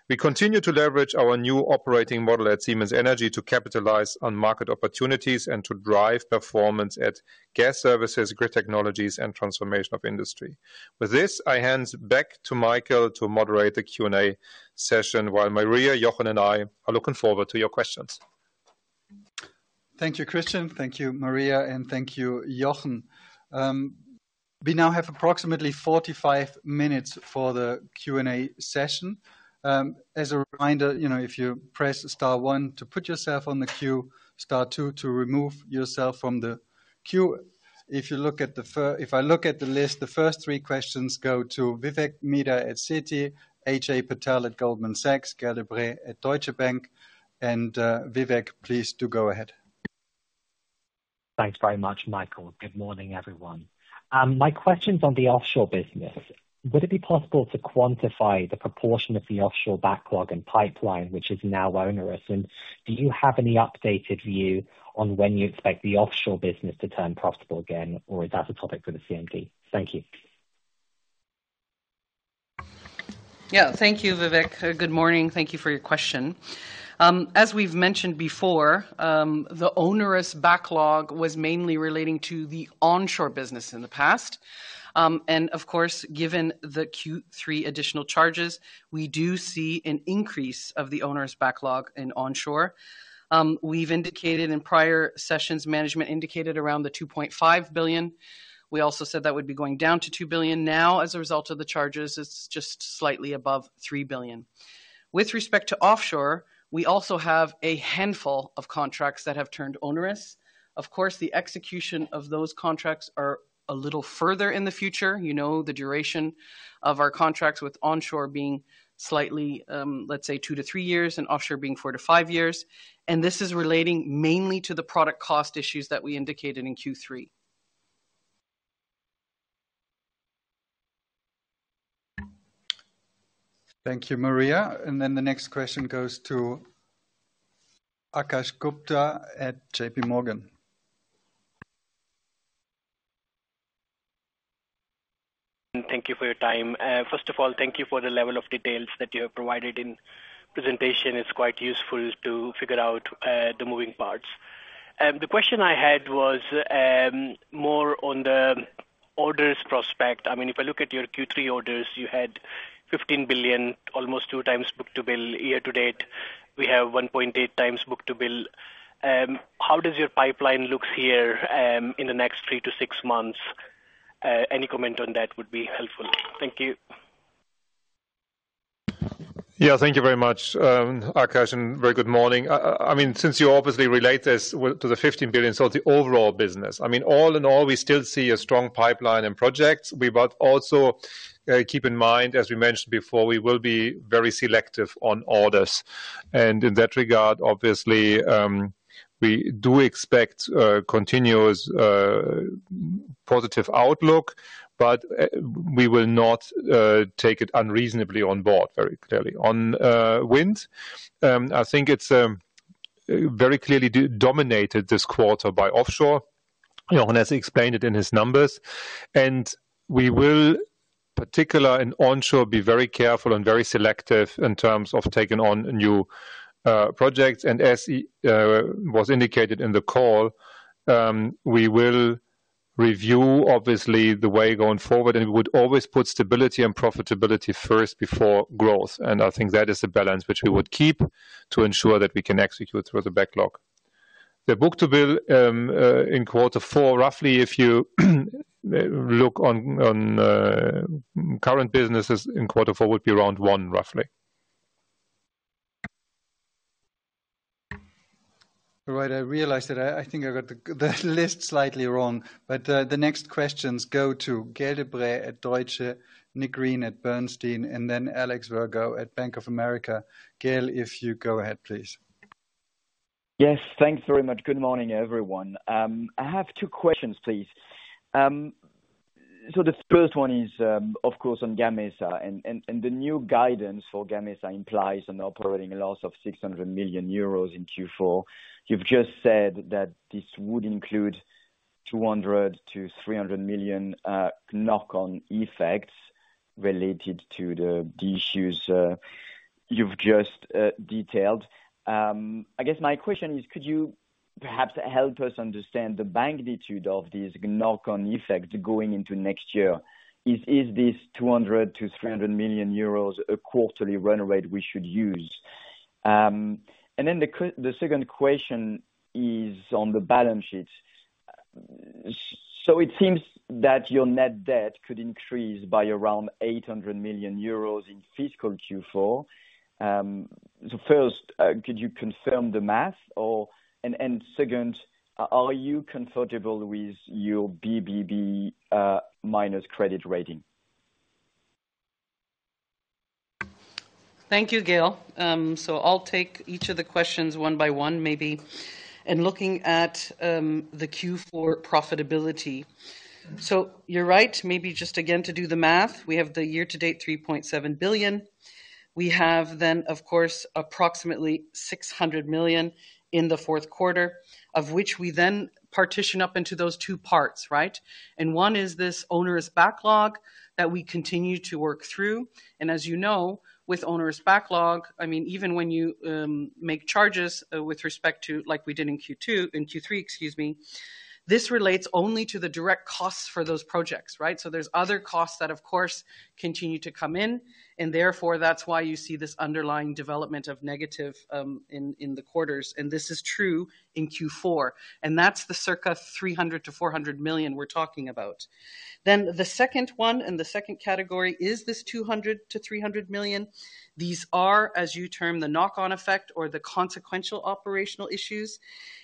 We continue to leverage our new operating model at Siemens Energy to capitalize on market opportunities and to drive performance at Gas Services, Grid Technologies, and Transformation of Industry. With this, I hand back to Michael to moderate the Q&A session, while Maria, Jochen, and I are looking forward to your questions. Thank you, Christian. Thank you, Maria. Thank you, Jochen. We now have approximately 45 minutes for the Q&A session. As a reminder, you know, if you press star 1 to put yourself on the queue, star 2 to remove yourself from the queue. Q, if you look at the if I look at the list, the first three questions go to Vivek Midha at Citi, Ajay Patel at Goldman Sachs, Gaël de-Bray at Deutsche Bank, and Vivek, please do go ahead. Thanks very much, Michael. Good morning, everyone. My question's on the offshore business. Would it be possible to quantify the proportion of the offshore backlog and pipeline, which is now onerous? Do you have any updated view on when you expect the offshore business to turn profitable again, or is that a topic for the CMD? Thank you. Yeah. Thank you, Vivek. Good morning, thank you for your question. As we've mentioned before, the onerous backlog was mainly relating to the onshore business in the past. Of course, given the Q3 additional charges, we do see an increase of the onerous backlog in onshore. We've indicated in prior sessions, management indicated around 2.5 billion. We also said that would be going down to 2 billion. Now, as a result of the charges, it's just slightly above 3 billion. With respect to offshore, we also have a handful of contracts that have turned onerous. Of course, the execution of those contracts are a little further in the future. You know, the duration of our contracts with onshore being slightly, let's say 2 years-3 years, and offshore being 4 years-5 years. This is relating mainly to the product cost issues that we indicated in Q3. Thank you, Maria. The next question goes to Akash Gupta at J.P. Morgan. Thank you for your time. First of all, thank you for the level of details that you have provided in presentation. It's quite useful to figure out the moving parts. The question I had was more on the orders prospect. I mean, if I look at your Q3 orders, you had 15 billion, almost 2 times book-to-bill. Year to date, we have 1.8 times book-to-bill. How does your pipeline looks here in the next 3 months-6 months? Any comment on that would be helpful. Thank you. Yeah, thank you very much, Akash. Very good morning. I mean, since you obviously relate this to the 15 billion, so the overall business. I mean, all in all, we still see a strong pipeline in projects. We but also, keep in mind, as we mentioned before, we will be very selective on orders. In that regard, obviously, we do expect continuous positive outlook, but we will not take it unreasonably on board, very clearly. On wind, I think it's very clearly dominated this quarter by offshore, you know, as he explained it in his numbers. We will, particular in onshore, be very careful and very selective in terms of taking on new projects. As he was indicated in the call, we will review, obviously, the way going forward, and we would always put stability and profitability first before growth. I think that is a balance which we would keep to ensure that we can execute through the backlog. The book-to-bill in quarter four, roughly, if you look on current businesses in quarter four, would be around 1, roughly. All right, I realize that I, I think I got the, the list slightly wrong, but the next questions go to Gaël de-Brayl at Deutsche, Nick Green at Bernstein, and then Alex Virgo at Bank of America. Gaël de-Bray, if you go ahead, please. Yes, thanks very much. Good morning, everyone. I have two questions, please. The first one is, of course, on Gamesa, and the new guidance for Gamesa implies an operating loss of 600 million euros in Q4. You've just said that this would include 200 million-300 million knock-on effects related to the issues you've just detailed. I guess my question is, could you perhaps help us understand the magnitude of these knock-on effects going into next year? Is this 200 million-300 million euros a quarterly run rate we should use? The second question is on the balance sheet. It seems that your net debt could increase by around 800 million euros in fiscal Q4. First, could you confirm the math? Or... Second, are you comfortable with your BBB minus credit rating? Thank you, Gaël de-Bray. I'll take each of the questions one by one, maybe. In looking at the Q4 profitability, you're right. Maybe just again, to do the math, we have the year-to-date 3.7 billion. We have then, of course, approximately 600 million in the fourth quarter, of which we then partition up into those two parts, right? One is this onerous backlog that we continue to work through. As you know, with onerous backlog, I mean, even when you make charges with respect to, like we did in Q2, in Q3, excuse me, this relates only to the direct costs for those projects, right? There's other costs that, of course, continue to come in, and therefore, that's why you see this underlying development of negative in the quarters, and this is true in Q4. That's the circa 300 million-400 million we're talking about. The second one, and the second category is this 200 million-300 million. These are, as you term, the knock-on effect or the consequential operational issues,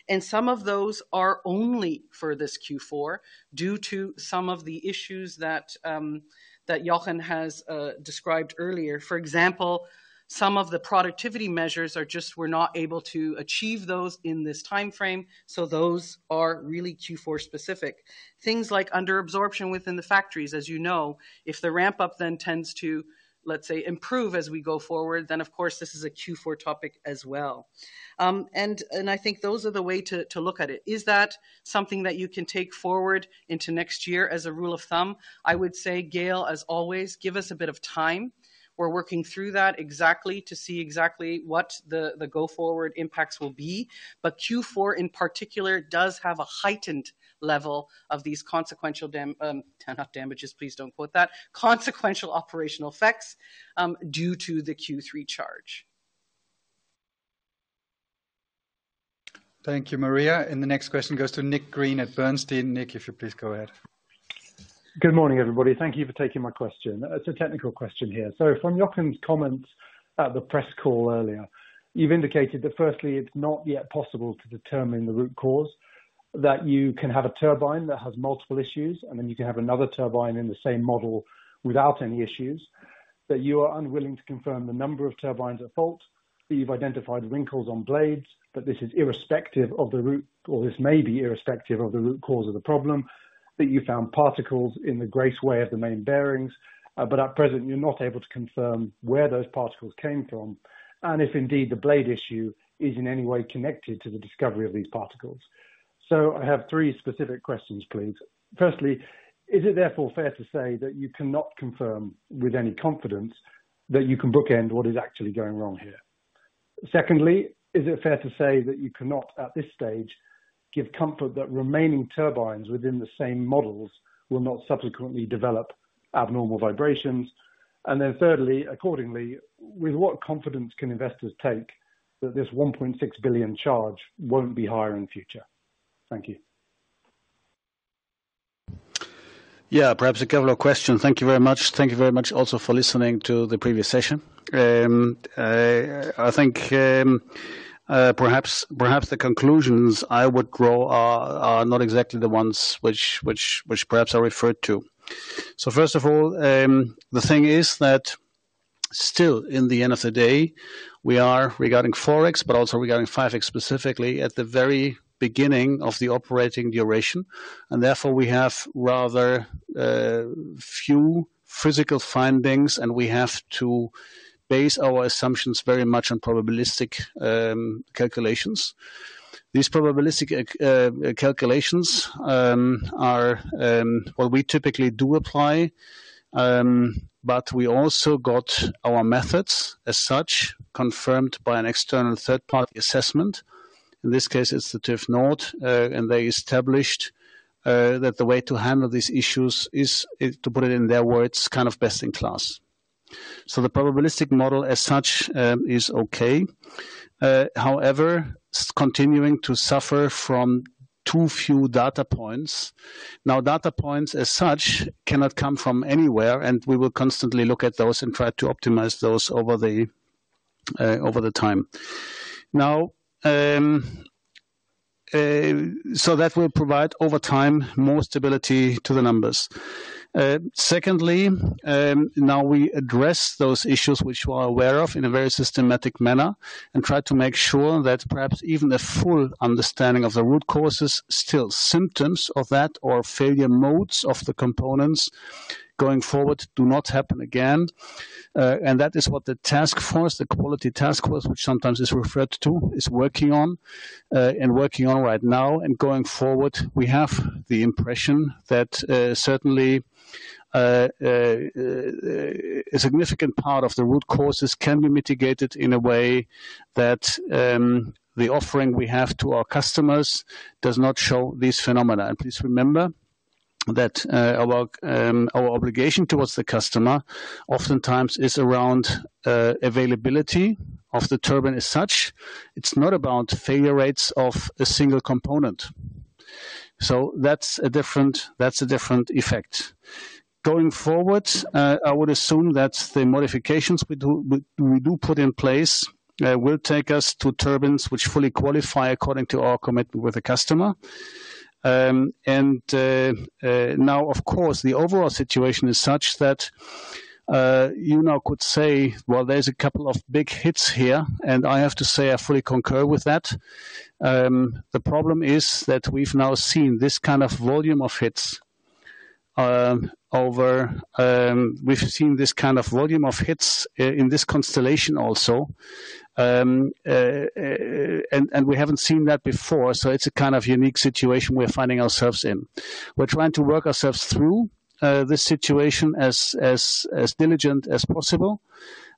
and some of those are only for this Q4, due to some of the issues that Jochen has described earlier. For example, some of the productivity measures are just, we're not able to achieve those in this timeframe, so those are really Q4 specific. Things like under absorption within the factories, as you know, if the ramp-up then tends to, let's say, improve as we go forward, then of course, this is a Q4 topic as well. I think those are the way to look at it. Is that something that you can take forward into next year as a rule of thumb? I would say, Gaël de-Bray, as always, give us a bit of time. We're working through that exactly to see exactly what the go forward impacts will be. Q4 in particular, does have a heightened level of these consequential dam, not damages, please don't quote that. Consequential operational effects, due to the Q3 charge. Thank you, Maria. The next question goes to Nick Green at Bernstein. Nick, if you please go ahead. Good morning, everybody. Thank you for taking my question. It's a technical question here. From Jochen's comments at the press call earlier, you've indicated that firstly, it's not yet possible to determine the root cause, that you can have a turbine that has multiple issues, and then you can have another turbine in the same model without any issues. That you are unwilling to confirm the number of turbines at fault, that you've identified wrinkles on blades, but this is irrespective of the root, or this may be irrespective of the root cause of the problem. That you found particles in the raceway of the main bearings, but at present, you're not able to confirm where those particles came from, and if indeed, the blade issue is in any way connected to the discovery of these particles. I have three specific questions, please. Firstly, is it therefore fair to say that you cannot confirm with any confidence that you can bookend what is actually going wrong here? Secondly, is it fair to say that you cannot, at this stage, give comfort that remaining turbines within the same models will not subsequently develop abnormal vibrations? Thirdly, accordingly, with what confidence can investors take that this 1.6 billion charge won't be higher in the future? Thank you. Yeah, perhaps a couple of questions. Thank you very much. Thank you very much also for listening to the previous session. I think, perhaps, perhaps the conclusions I would draw are, are not exactly the ones which, which, which perhaps are referred to. First of all, the thing is that still, in the end of the day, we are regarding 4.X, but also regarding 5.X, specifically at the very beginning of the operating duration, and therefore we have rather few physical findings, and we have to base our assumptions very much on probabilistic calculations. These probabilistic calculations are, well, we typically do apply, but we also got our methods as such, confirmed by an external third-party assessment. In this case, it's the TUV Nord, and they established that the way to handle these issues is to put it in their words, kind of best in class. The probabilistic model as such, is okay. However, it's continuing to suffer from too few data points. Data points as such, cannot come from anywhere, and we will constantly look at those and try to optimize those over the time. That will provide over time, more stability to the numbers. Secondly, we address those issues which we are aware of in a very systematic manner and try to make sure that perhaps even a full understanding of the root causes, still symptoms of that or failure modes of the components going forward, do not happen again. That is what the task force, the quality task force, which sometimes is referred to, is working on and working on right now. Going forward, we have the impression that certainly a significant part of the root causes can be mitigated in a way that the offering we have to our customers does not show these phenomena. Please remember that our obligation towards the customer oftentimes is around availability of the turbine as such. It's not about failure rates of a single component. That's a different, that's a different effect. Going forward, I would assume that the modifications we do, we, we do put in place will take us to turbines which fully qualify according to our commitment with the customer. Now, of course, the overall situation is such that you now could say, well, there's a couple of big hits here. I have to say I fully concur with that. The problem is that we've now seen this kind of volume of hits. We've seen this kind of volume of hits in this constellation also, and we haven't seen that before, so it's a kind of unique situation we're finding ourselves in. We're trying to work ourselves through this situation as, as, as diligent as possible.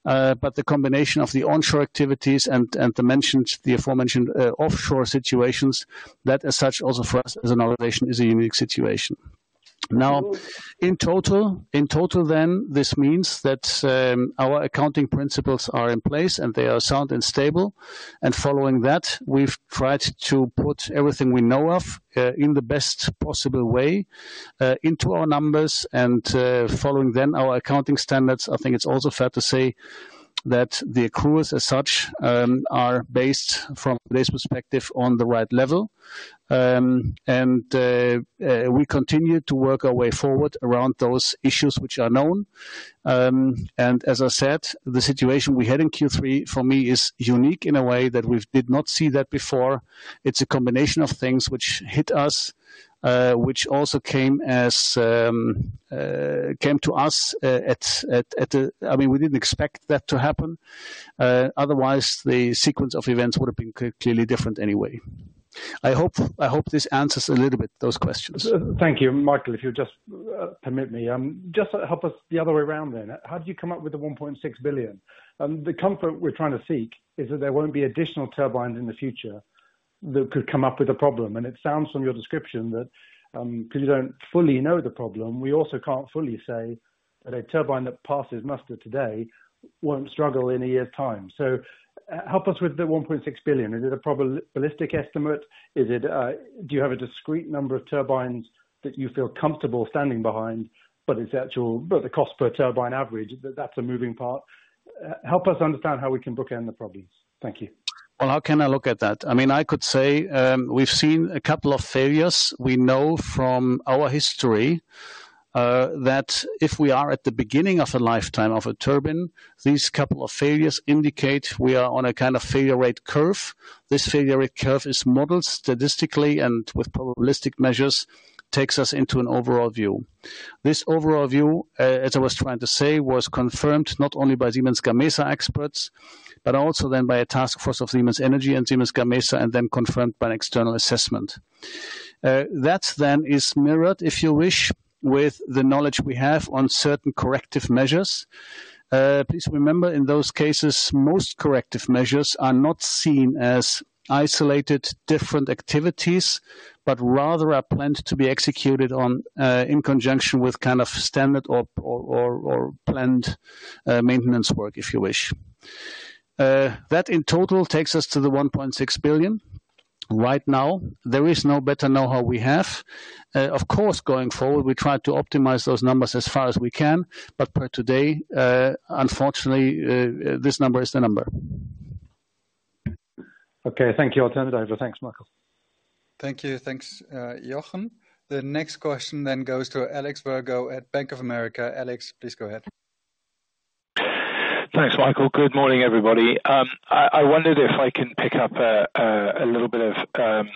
The combination of the onshore activities and the mentioned, the aforementioned offshore situations, that as such, also for us as an organization, is a unique situation. In total, in total, then this means that our accounting principles are in place and they are sound and stable, and following that, we've tried to put everything we know of in the best possible way into our numbers and following then our accounting standards. I think it's also fair to say that the accruals as such are based from this perspective on the right level. We continue to work our way forward around those issues which are known. As I said, the situation we had in Q3 for me, is unique in a way that we've did not see that before. It's a combination of things which hit us, which also came as came to us at, at, at I mean, we didn't expect that to happen, otherwise the sequence of events would have been clearly different anyway. I hope, I hope this answers a little bit those questions. Thank you. Michael, if you'll just permit me. Just help us the other way around then. How did you come up with the $1.6 billion? The comfort we're trying to seek is that there won't be additional turbines in the future that could come up with a problem. It sounds from your description that 'cause you don't fully know the problem, we also can't fully say that a turbine that passes muster today won't struggle in a year's time. Help us with the $1.6 billion. Is it a probabilistic estimate? Is it do you have a discrete number of turbines that you feel comfortable standing behind, but it's actual, but the cost per turbine average, that's a moving part? Help us understand how we can bookend the problems. Thank you. Well, how can I look at that? I mean, I could say, we've seen a couple of failures. We know from our history, that if we are at the beginning of a lifetime of a turbine, these couple of failures indicate we are on a kind of failure rate curve. This failure rate curve is modeled statistically and with probabilistic measures, takes us into an overall view. This overall view, as I was trying to say, was confirmed not only by Siemens Gamesa experts, but also then by a task force of Siemens Energy and Siemens Gamesa, and then confirmed by an external assessment. That then is mirrored, if you wish, with the knowledge we have on certain corrective measures. Please remember, in those cases, most corrective measures are not seen as isolated, different activities, but rather are planned to be executed on, in conjunction with kind of standard or, or, or, or planned, maintenance work, if you wish. That in total takes us to the 1.6 billion. Right now, there is no better know-how we have. Of course, going forward, we try to optimize those numbers as far as we can, but per today, unfortunately, this number is the number. Okay, thank you. I'll turn it over. Thanks, Michael. Thank you. Thanks, Jochen. The next question goes to Alex Virgo at Bank of America. Alex, please go ahead. Thanks, Michael. Good morning, everybody. I wondered if I can pick up a little bit of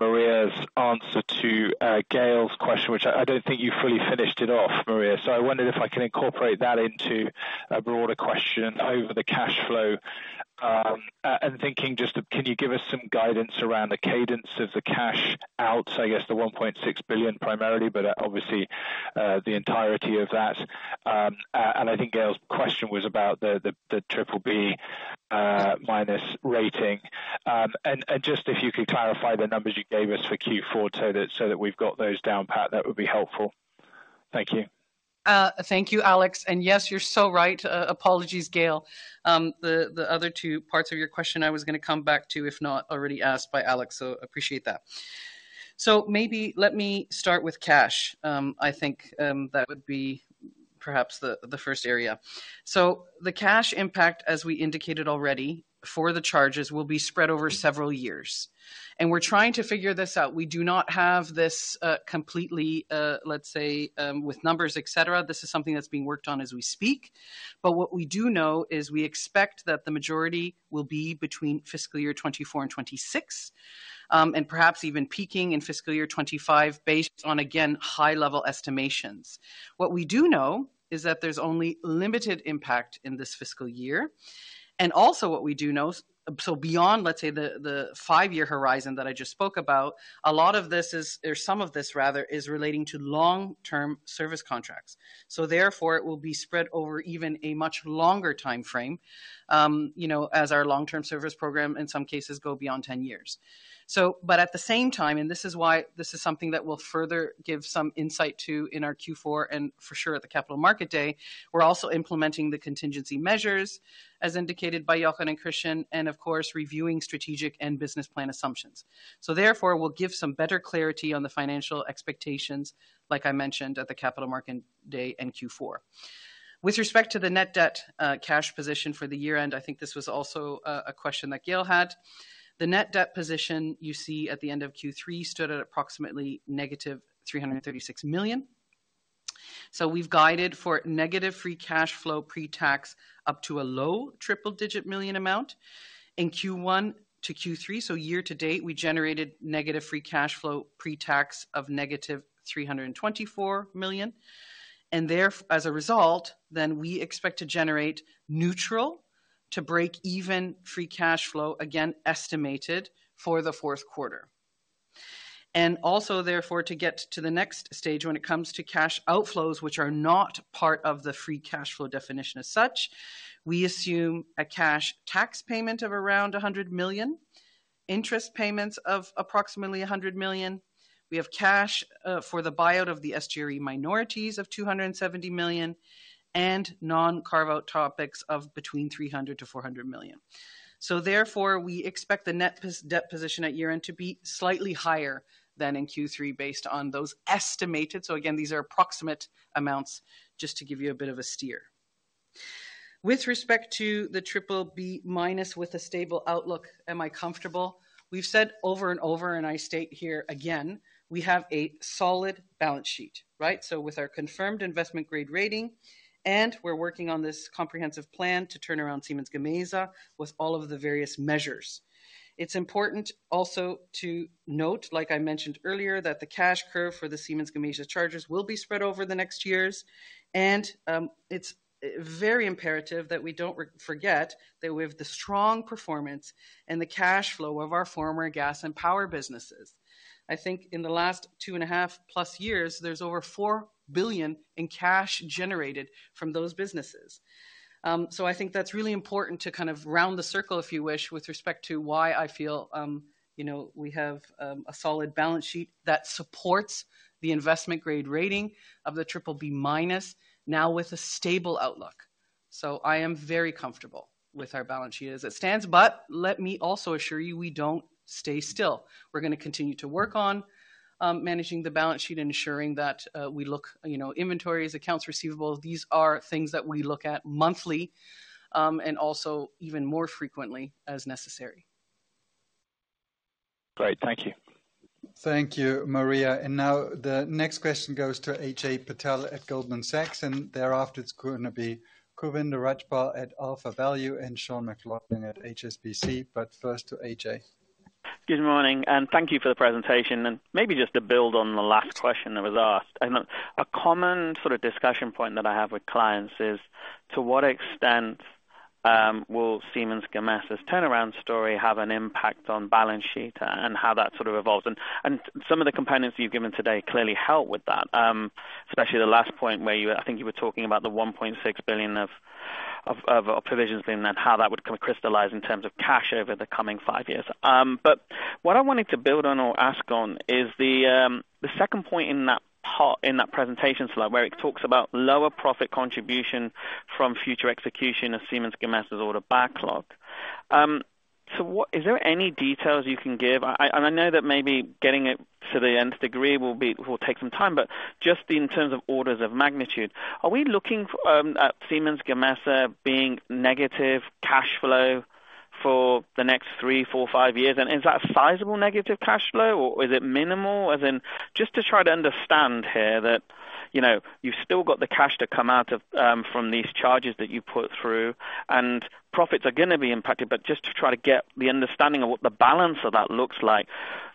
Maria's answer to Gael's question, which I don't think you fully finished it off, Maria. I wondered if I can incorporate that into a broader question over the cash flow. Thinking just, can you give us some guidance around the cadence of the cash out? I guess the 1.6 billion primarily, but obviously, the entirety of that. I think Gael's question was about the triple B minus rating. Just if you could clarify the numbers you gave us for Q4 so that, so that we've got those down, pat, that would be helpful. Thank you. Thank you, Alex. And yes, you're so right. Apologies, Gail. The other two parts of your question I was gonna come back to, if not already asked by Alex, so appreciate that. Maybe let me start with cash. I think that would be perhaps the first area. The cash impact, as we indicated already, for the charges, will be spread over several years. We're trying to figure this out. We do not have this completely, let's say, with numbers, et cetera. This is something that's being worked on as we speak. What we do know is we expect that the majority will be between fiscal year 2024 and 2026, and perhaps even peaking in fiscal year 2025, based on, again, high-level estimations. What we do know is that there's only limited impact in this fiscal year. Also what we do know, beyond, let's say, the, the five-year horizon that I just spoke about, a lot of this, or some of this rather, is relating to long-term service contracts. Therefore, it will be spread over even a much longer timeframe, you know, as our long-term service program, in some cases, go beyond 10 years. At the same time, and this is why this is something that we'll further give some insight to in our Q4, and for sure, at the Capital Markets Day, we're also implementing the contingency measures, as indicated by Jochen and Christian, and of course, reviewing strategic and business plan assumptions. Therefore, we'll give some better clarity on the financial expectations, like I mentioned, at the Capital Markets Day and Q4. With respect to the net debt cash position for the year-end, I think this was also a question that Gaël de-Bray had. The net debt position you see at the end of Q3 stood at approximately -336 million. We've guided for negative free cash flow pre-tax up to a low triple-digit million amount. In Q1 to Q3, year to date, we generated negative free cash flow pre-tax of -324 million, as a result, we expect to generate neutral to break even free cash flow, again, estimated for the fourth quarter. Also, therefore, to get to the next stage when it comes to cash outflows, which are not part of the free cash flow definition as such, we assume a cash tax payment of around 100 million, interest payments of approximately 100 million. We have cash for the buyout of the SGRE minorities of 270 million, and non-carve-out topics of between 300 million-400 million. Therefore, we expect the net debt position at year-end to be slightly higher than in Q3, based on those estimated. Again, these are approximate amounts, just to give you a bit of a steer. With respect to the triple B minus with a stable outlook, am I comfortable? We've said over and over, and I state here again, we have a solid balance sheet, right? With our confirmed investment grade rating, and we're working on this comprehensive plan to turn around Siemens Gamesa with all of the various measures. It's important also to note, like I mentioned earlier, that the cash curve for the Siemens Gamesa charges will be spread over the next years. It's very imperative that we don't forget that we have the strong performance and the cash flow of our former gas and power businesses. I think in the last 2.5+ years, there's over 4 billion in cash generated from those businesses. I think that's really important to kind of round the circle, if you wish, with respect to why I feel, you know, we have a solid balance sheet that supports the investment grade rating of the Triple B minus, now with a stable outlook. I am very comfortable with our balance sheet as it stands, but let me also assure you, we don't stay still. We're gonna continue to work on, managing the balance sheet and ensuring that, we look, you know, inventories, accounts receivable, these are things that we look at monthly, and also even more frequently as necessary. Great. Thank you. Thank you, Maria. Now the next question goes to Ajay Patel at Goldman Sachs, and thereafter, it's going to be Govinda Rajpal at AlphaValue, and Sean McLaughlin at HSBC. First to AJ. Good morning, and thank you for the presentation. Maybe just to build on the last question that was asked. A common sort of discussion point that I have with clients is, to what extent will Siemens Gamesa's turnaround story have an impact on balance sheet and how that sort of evolves? Some of the components you've given today clearly help with that, especially the last point where you, I think you were talking about the 1.6 billion of provisions in that, how that would crystallize in terms of cash over the coming five years. What I wanted to build on or ask on is the second point in that part, in that presentation slide, where it talks about lower profit contribution from future execution of Siemens Gamesa's order backlog. What-- Is there any details you can give? I, and I know that maybe getting it to the nth degree will be, will take some time, but just in terms of orders of magnitude, are we looking for, at Siemens Gamesa being negative cash flow for the next three, four, five years? Is that sizable negative cash flow, or is it minimal? As in, just to try to understand here that, you know, you've still got the cash to come out of, from these charges that you put through, and profits are gonna be impacted, but just to try to get the understanding of what the balance of that looks like,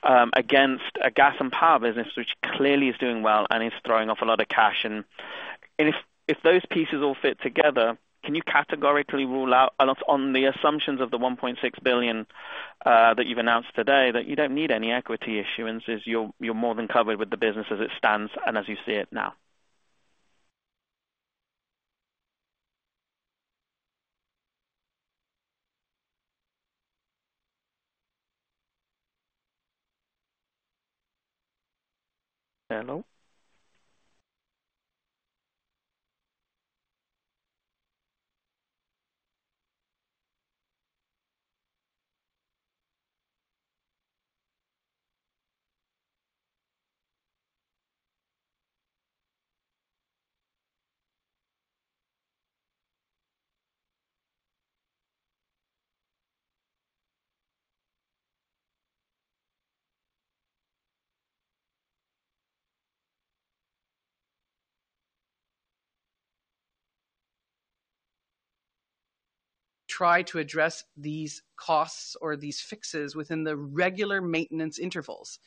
against a gas and power business, which clearly is doing well and is throwing off a lot of cash. If those pieces all fit together, can you categorically rule out on off, on the assumptions of the 1.6 billion that you've announced today, that you don't need any equity issuance, is you're, you're more than covered with the business as it stands and as you see it now? Hello? Try to address these costs or these fixes within the regular maintenance intervals,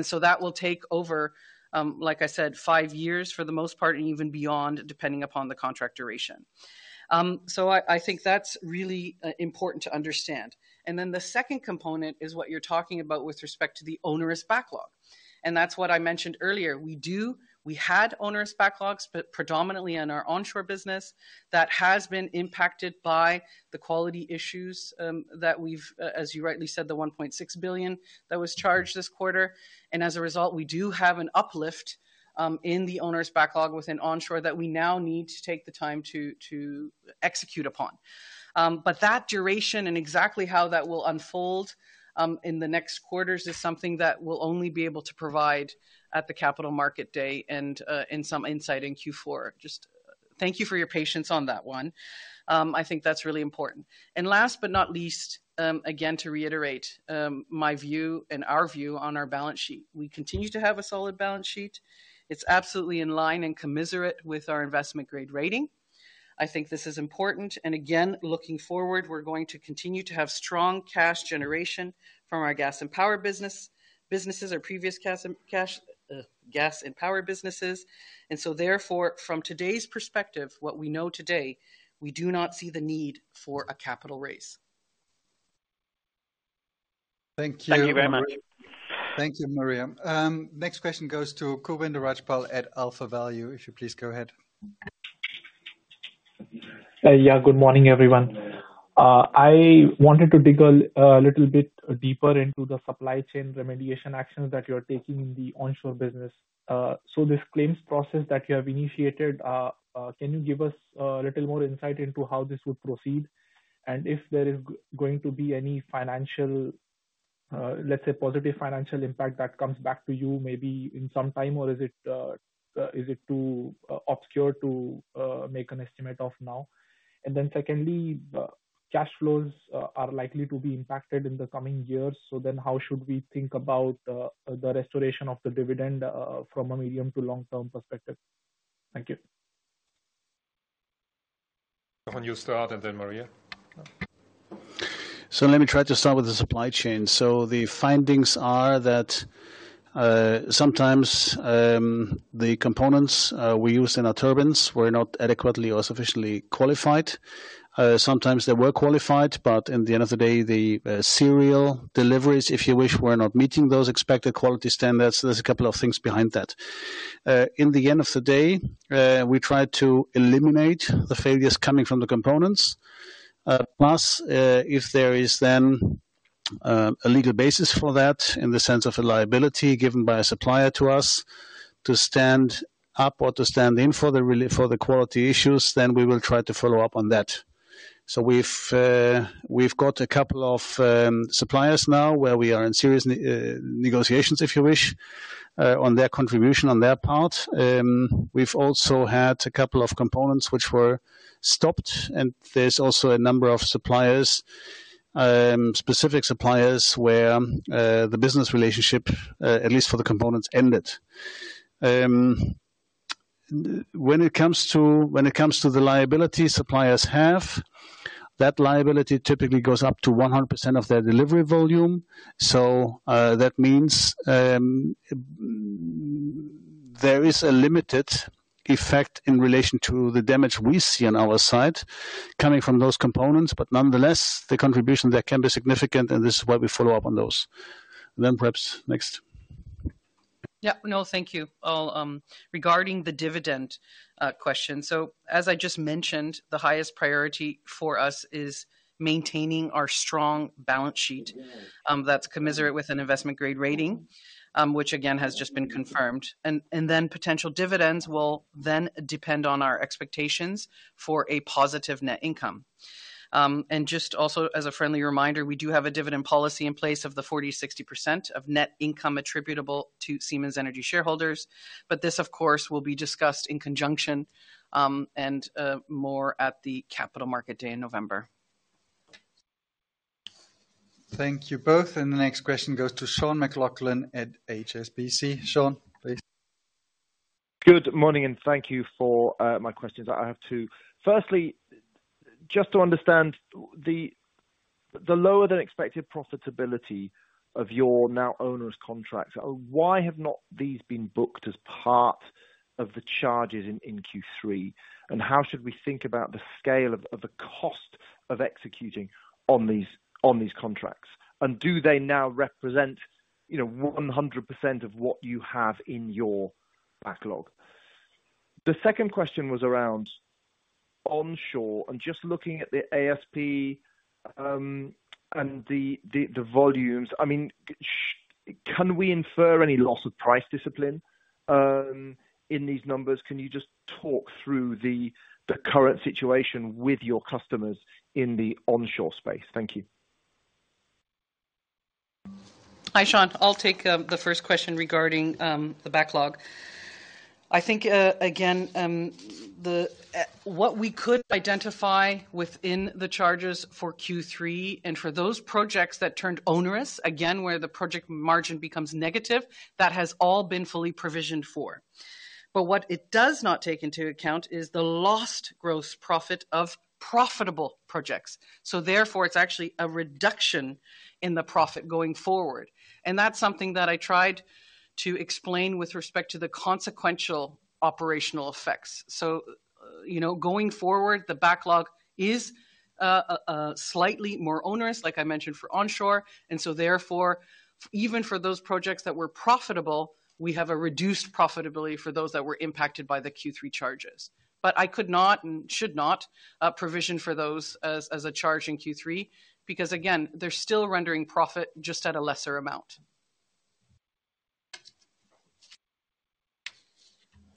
so that will take over, like I said, five years for the most part, and even beyond, depending upon the contract duration. So I, I think that's really important to understand. Then the second component is what you're talking about with respect to the onerous backlog, and that's what I mentioned earlier. We had onerous backlogs, but predominantly in our onshore business, that has been impacted by the quality issues, that we've, as you rightly said, the $1.6 billion that was charged this quarter. As a result, we do have an uplift in the onerous backlog within onshore that we now need to take the time to, to execute upon. That duration and exactly how that will unfold in the next quarters is something that we'll only be able to provide at the Capital Market Day and in some insight in Q4. Just thank you for your patience on that 1. I think that's really important. Last but not least, again, to reiterate, my view and our view on our balance sheet. We continue to have a solid balance sheet. It's absolutely in line and commiserate with our investment grade rating. I think this is important, and again, looking forward, we're going to continue to continue to have strong cash generation from our gas and power business, businesses, our previous cash, gas and power businesses. From today's perspective, what we know today, we do not see the need for a capital raise. Thank you very much. Thank you, Maria. Next question goes to Kulvinder Rajpal at AlphaValue. If you please go ahead. Yeah, good morning, everyone. I wanted to dig a little bit deeper into the supply chain remediation actions that you're taking in the onshore business. So this claims process that you have initiated, can you give us a little more insight into how this would proceed? If there is going to be any financial, let's say, positive financial impact that comes back to you maybe in some time, or is it too obscure to make an estimate of now? Secondly, cash flows are likely to be impacted in the coming years, so how should we think about the restoration of the dividend from a medium to long-term perspective? Thank you. Jochen, you start, and then Maria. Let me try to start with the supply chain. The findings are that sometimes the components we use in our turbines were not adequately or sufficiently qualified. Sometimes they were qualified, but in the end of the day, the serial deliveries, if you wish, were not meeting those expected quality standards. There's a couple of things behind that. In the end of the day, we tried to eliminate the failures coming from the components. Plus, if there is then a legal basis for that, in the sense of a liability given by a supplier to us, to stand up or to stand in for the relief for the quality issues, then we will try to follow up on that. We've, we've got a couple of suppliers now where we are in serious ne- negotiations, if you wish, on their contribution on their part. We've also had a couple of components which were stopped, and there's also a number of suppliers, specific suppliers, where the business relationship, at least for the components, ended. When it comes to, when it comes to the liability suppliers have, that liability typically goes up to 100% of their delivery volume. That means, there is a limited effect in relation to the damage we see on our side coming from those components, but nonetheless, the contribution there can be significant, and this is why we follow up on those. Perhaps next. Yeah. No, thank you. I'll, regarding the dividend question, as I just mentioned, the highest priority for us is maintaining our strong balance sheet, that's commensurate with an investment-grade rating, which again, has just been confirmed. Then potential dividends will then depend on our expectations for a positive net income. Just also as a friendly reminder, we do have a dividend policy in place of the 40-60% of net income attributable to Siemens Energy shareholders, this, of course, will be discussed in conjunction, more at the Capital Market Day in November. Thank you, both. The next question goes to Sean McLoughlin at HSBC. Sean, please. Good morning, thank you for my questions. I have two. Firstly, just to understand the lower than expected profitability of your now onerous contracts, why have not these been booked as part of the charges in Q3? How should we think about the scale of the cost of executing on these contracts? Do they now represent, you know, 100% of what you have in your backlog? The second question was around onshore, just looking at the ASP, and the volumes, I mean, can we infer any loss of price discipline in these numbers? Can you just talk through the current situation with your customers in the onshore space? Thank you. Hi, Sean. I'll take the first question regarding the backlog. I think, again, what we could identify within the charges for Q3 and for those projects that turned onerous, again, where the project margin becomes negative, that has all been fully provisioned for. What it does not take into account is the lost gross profit of profitable projects. Therefore, it's actually a reduction in the profit going forward. That's something that I tried to explain with respect to the consequential operational effects. You know, going forward, the backlog is slightly more onerous, like I mentioned, for onshore, and so therefore, even for those projects that were profitable, we have a reduced profitability for those that were impacted by the Q3 charges. I could not and should not provision for those as, as a charge in Q3, because again, they're still rendering profit, just at a lesser amount.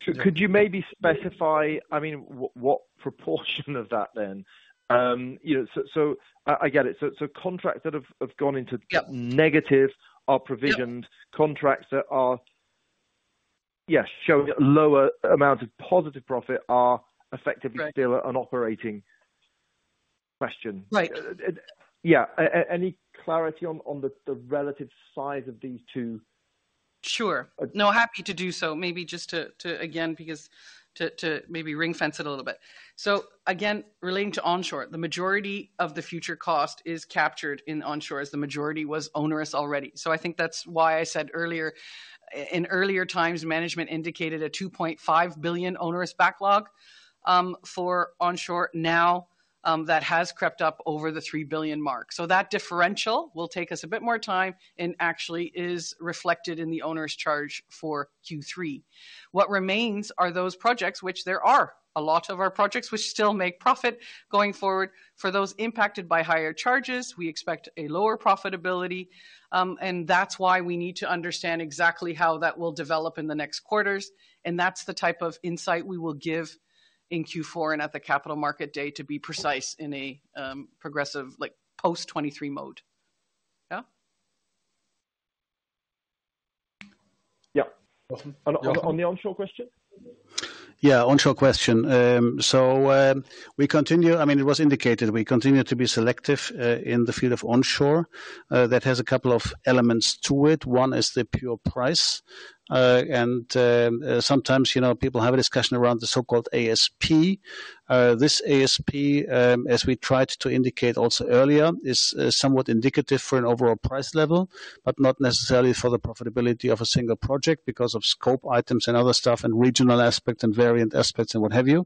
Could, could you maybe specify, I mean, what, what proportion of that then? You know, so, so I, I get it. So, contracts that have, have gone into- Yep. Negative are provisioned. Yeah. Contracts that are, yes, showing a lower amount of positive profit are effectively- Right. still an operating question. Right. Yeah, any clarity on, on the, the relative size of these two? Sure. No, happy to do so. Maybe just to, to, again, because to, to maybe ring-fence it a little bit. Again, relating to onshore, the majority of the future cost is captured in onshore, as the majority was onerous already. I think that's why I said earlier, in earlier times, management indicated a 2.5 billion onerous backlog for onshore. Now, that has crept up over the 3 billion mark. That differential will take us a bit more time and actually is reflected in the onerous charge for Q3. What remains are those projects, which there are a lot of our projects, which still make profit going forward. For those impacted by higher charges, we expect a lower profitability, and that's why we need to understand exactly how that will develop in the next quarters, and that's the type of insight we will give in Q4 and at the Capital Market Day, to be precise, in a progressive, like, post 2023 mode. Yeah? Yeah. On the onshore question? Yeah, onshore question. We continue—I mean, it was indicated, we continue to be selective in the field of onshore. That has a couple of elements to it. One is the pure price. Sometimes, you know, people have a discussion around the so-called ASP. This ASP, as we tried to indicate also earlier, is somewhat indicative for an overall price level, but not necessarily for the profitability of a single project, because of scope items and other stuff, and regional aspects and variant aspects, and what have you.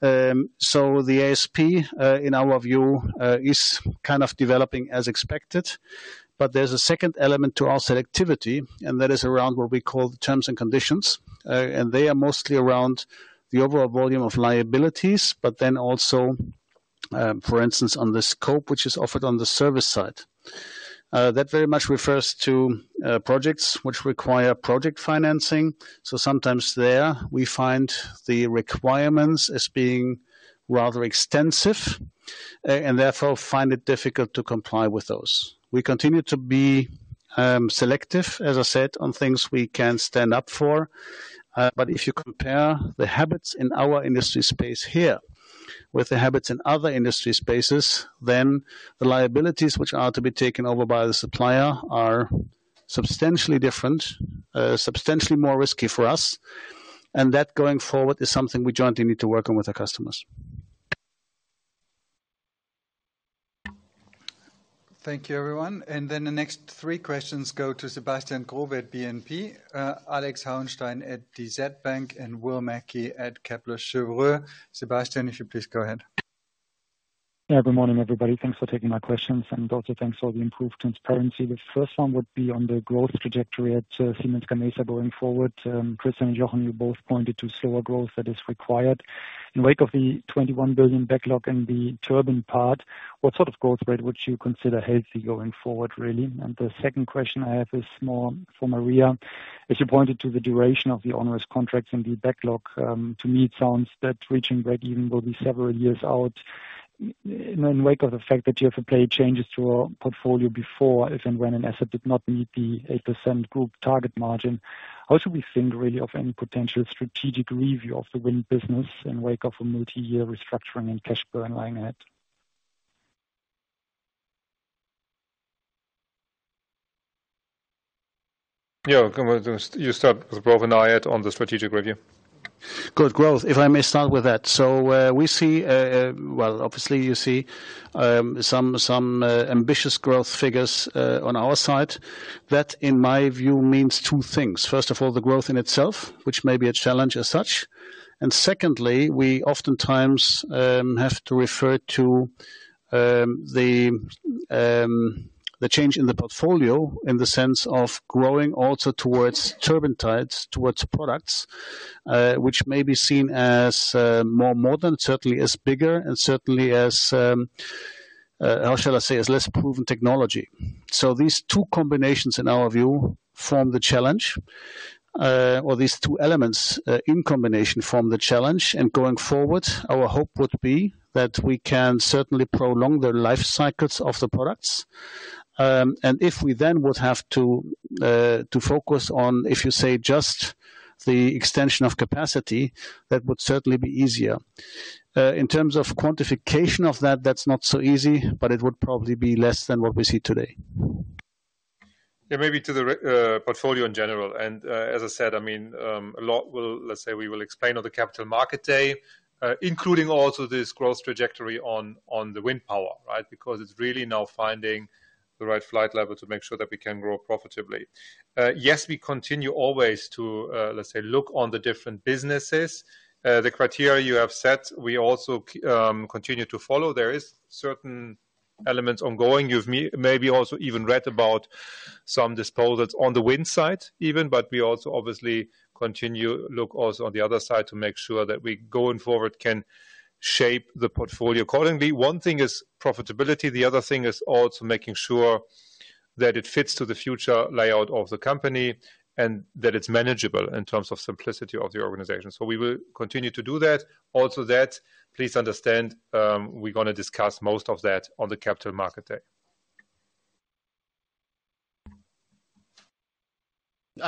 The ASP, in our view, is kind of developing as expected. There's a second element to our selectivity, and that is around what we call the terms and conditions. They are mostly around the overall volume of liabilities, but then also, for instance, on the scope which is offered on the service side. That very much refers to projects which require project financing. Sometimes there, we find the requirements as being rather extensive, and therefore, find it difficult to comply with those. We continue to be selective, as I said, on things we can stand up for. If you compare the habits in our industry space here, with the habits in other industry spaces, then the liabilities which are to be taken over by the supplier are substantially different, substantially more risky for us, and that going forward, is something we jointly need to work on with our customers. Thank you, everyone. The next three questions go to Sebastian Growe at BNP, Alex Hauenstein at DZ Bank, and Will Mackie at Kepler Cheuvreux. Sebastian, if you please go ahead. Yeah. Good morning, everybody. Thanks for taking my questions, and also thanks for the improved transparency. The first one would be on the growth trajectory at Siemens Gamesa going forward. Chris and Jochen, you both pointed to solar growth that is required. In wake of the $21 billion backlog in the turbine part, what sort of growth rate would you consider healthy going forward, really? The second question I have is more for Maria. As you pointed to the duration of the onerous contracts and the backlog, to me, it sounds that reaching breakeven will be several years out. In wake of the fact that you have applied changes to our portfolio before, if and when an asset did not meet the 8% group target margin, how should we think, really, of any potential strategic review of the wind business in wake of a multi-year restructuring and cash burn line ahead? Yeah, you start with both an eye on the strategic review. Good. Growth, if I may start with that. We see. Well, obviously, you see some, some ambitious growth figures on our side. That, in my view, means two things. First of all, the growth in itself, which may be a challenge as such. Secondly, we oftentimes have to refer to the change in the portfolio, in the sense of growing also towards turbine types, towards products, which may be seen as more modern, certainly as bigger, and certainly as, how shall I say, as less proven technology. These two combinations, in our view, form the challenge, or these two elements, in combination, form the challenge. Going forward, our hope would be that we can certainly prolong the life cycles of the products. If we then would have to focus on, if you say, just the extension of capacity, that would certainly be easier. In terms of quantification of that, that's not so easy, but it would probably be less than what we see today. Yeah, maybe to the portfolio in general. As I said, I mean, a lot let's say, we will explain on the Capital Market Day, including also this growth trajectory on, on the wind power, right? Because it's really now finding the right flight level to make sure that we can grow profitably. Yes, we continue always to let's say, look on the different businesses. The criteria you have set, we also continue to follow. There is certain elements ongoing. You've maybe also even read about some disposals on the wind side, even, we also obviously continue look also on the other side to make sure that we, going forward, can shape the portfolio accordingly. One thing is profitability, the other thing is also making sure that it fits to the future layout of the company, and that it's manageable in terms of simplicity of the organization. We will continue to do that. Also, that, please understand, we're gonna discuss most of that on the Capital Market Day.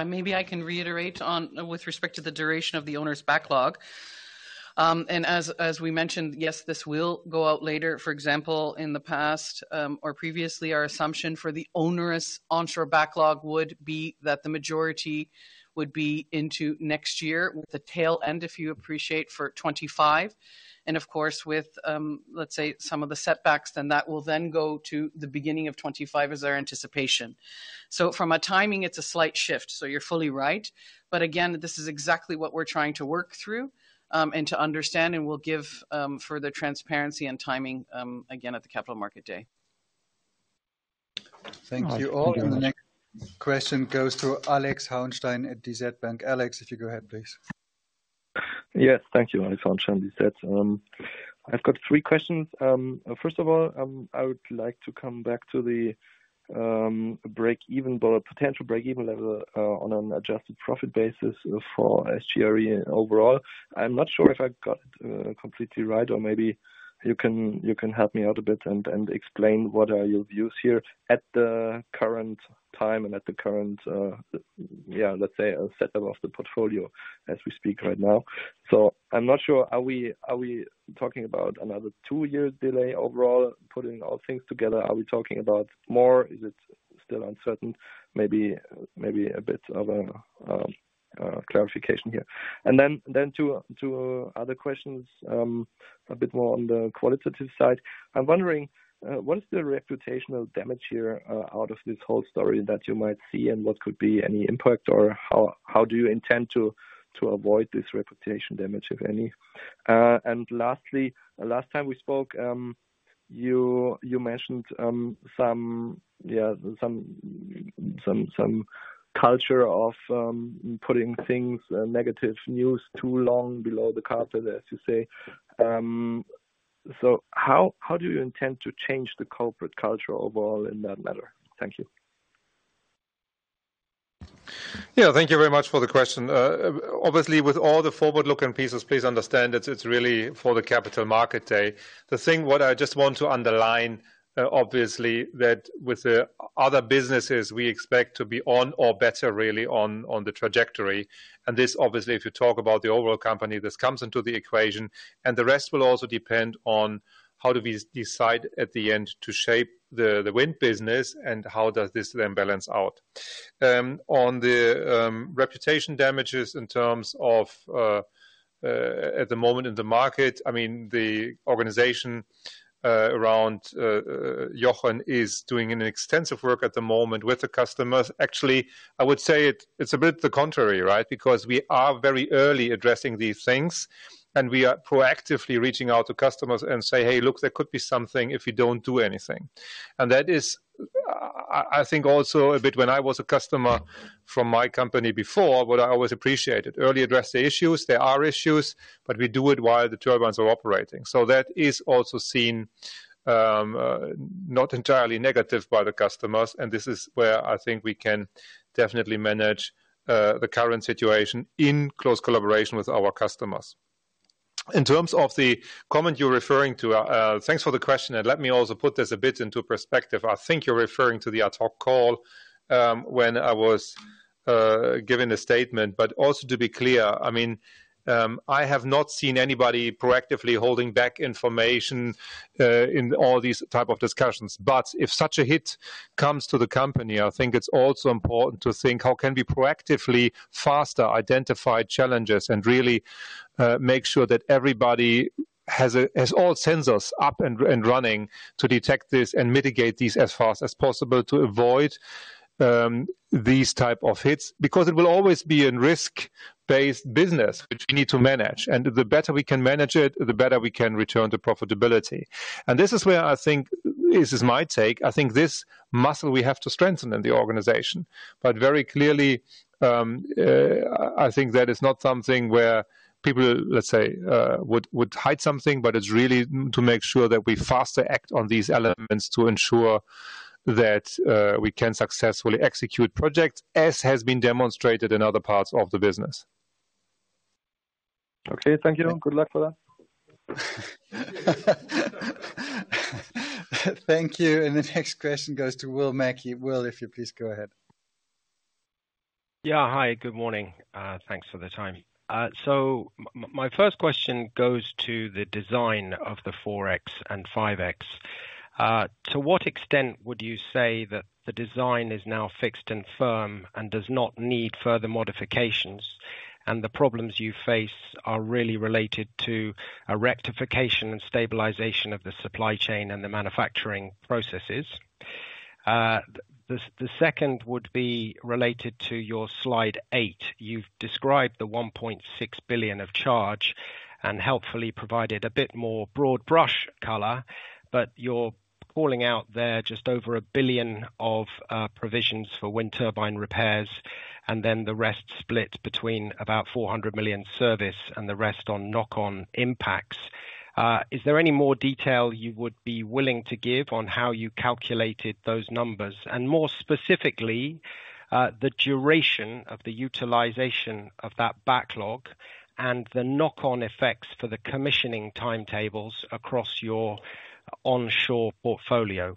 Maybe I can reiterate on, with respect to the duration of the onerous backlog. As we mentioned, yes, this will go out later. For example, in the past, or previously, our assumption for the onerous onshore backlog would be that the majority would be into next year, with the tail end, if you appreciate, for 2025. Of course, with, let's say, some of the setbacks, that will then go to the beginning of 2025 as our anticipation. From a timing, it's a slight shift, so you're fully right. Again, this is exactly what we're trying to work through, and to understand, and we'll give further transparency and timing, again, at the Capital Market Day. Thank you all. The next question goes to Alex Hauenstein at DZ Bank. Alex, if you go ahead, please. Yes, thank you. Alex Hauenstein, DZ. I've got three questions. First of all, I would like to come back to the breakeven, but potential breakeven level on an adjusted profit basis for SGRE overall. I'm not sure if I got it completely right, or maybe you can, you can help me out a bit and explain what are your views here at the current time and at the current, yeah, let's say, a setup of the portfolio as we speak right now. I'm not sure, are we, are we talking about another 2-year delay overall, putting all things together? Are we talking about more? Is it-... still uncertain, maybe, maybe a bit of a clarification here. Then, then to, to other questions, a bit more on the qualitative side. I'm wondering what is the reputational damage here out of this whole story that you might see, and what could be any impact, or how do you intend to avoid this reputation damage, if any? Lastly, the last time we spoke, you mentioned some, yeah, some, some, some culture of putting things, negative news too long below the carpet, as you say. So how do you intend to change the corporate culture overall in that matter? Thank you. Yeah, thank you very much for the question. obviously, with all the forward-looking pieces, please understand it's, it's really for the Capital Markets Day. The thing what I just want to underline, obviously, that with the other businesses, we expect to be on or better really on, on the trajectory. This, obviously, if you talk about the overall company, this comes into the equation, and the rest will also depend on how do we decide at the end to shape the, the wind business, and how does this then balance out. on the reputation damages in terms of at the moment in the market, I mean, the organization around Johan is doing an extensive work at the moment with the customers. Actually, I would say it's a bit the contrary, right? Because we are very early addressing these things, we are proactively reaching out to customers and say, "Hey, look, there could be something if you don't do anything." That is, I, I think also a bit when I was a customer from my company before, what I always appreciated. Early address the issues. There are issues, but we do it while the turbines are operating. That is also seen, not entirely negative by the customers, and this is where I think we can definitely manage the current situation in close collaboration with our customers. In terms of the comment you're referring to, thanks for the question, and let me also put this a bit into perspective. I think you're referring to the ad hoc call, when I was giving a statement. Also to be clear, I mean, I have not seen anybody proactively holding back information in all these type of discussions. If such a hit comes to the company, I think it's also important to think how can we proactively, faster, identify challenges and really make sure that everybody has all sensors up and running to detect this and mitigate these as fast as possible to avoid these type of hits. It will always be a risk-based business, which we need to manage, and the better we can manage it, the better we can return to profitability. This is where I think, this is my take, I think this muscle we have to strengthen in the organization. Very clearly, I think that is not something where people, let's say, would, would hide something, but it's really to make sure that we faster act on these elements to ensure that, we can successfully execute projects, as has been demonstrated in other parts of the business. Okay, thank you. Good luck for that. Thank you. The next question goes to Will Mackie. Will, if you please go ahead. Yeah. Hi, good morning. Thanks for the time. So my first question goes to the design of the 4.X and 5.X. To what extent would you say that the design is now fixed and firm and does not need further modifications, and the problems you face are really related to a rectification and stabilization of the supply chain and the manufacturing processes? The second would be related to your slide 8. You've described the 1.6 billion of charge and helpfully provided a bit more broad brush color, but you're calling out there just over 1 billion of provisions for wind turbine repairs, and then the rest split between about 400 million service and the rest on knock-on impacts. Is there any more detail you would be willing to give on how you calculated those numbers? More specifically, the duration of the utilization of that backlog and the knock-on effects for the commissioning timetables across your onshore portfolio.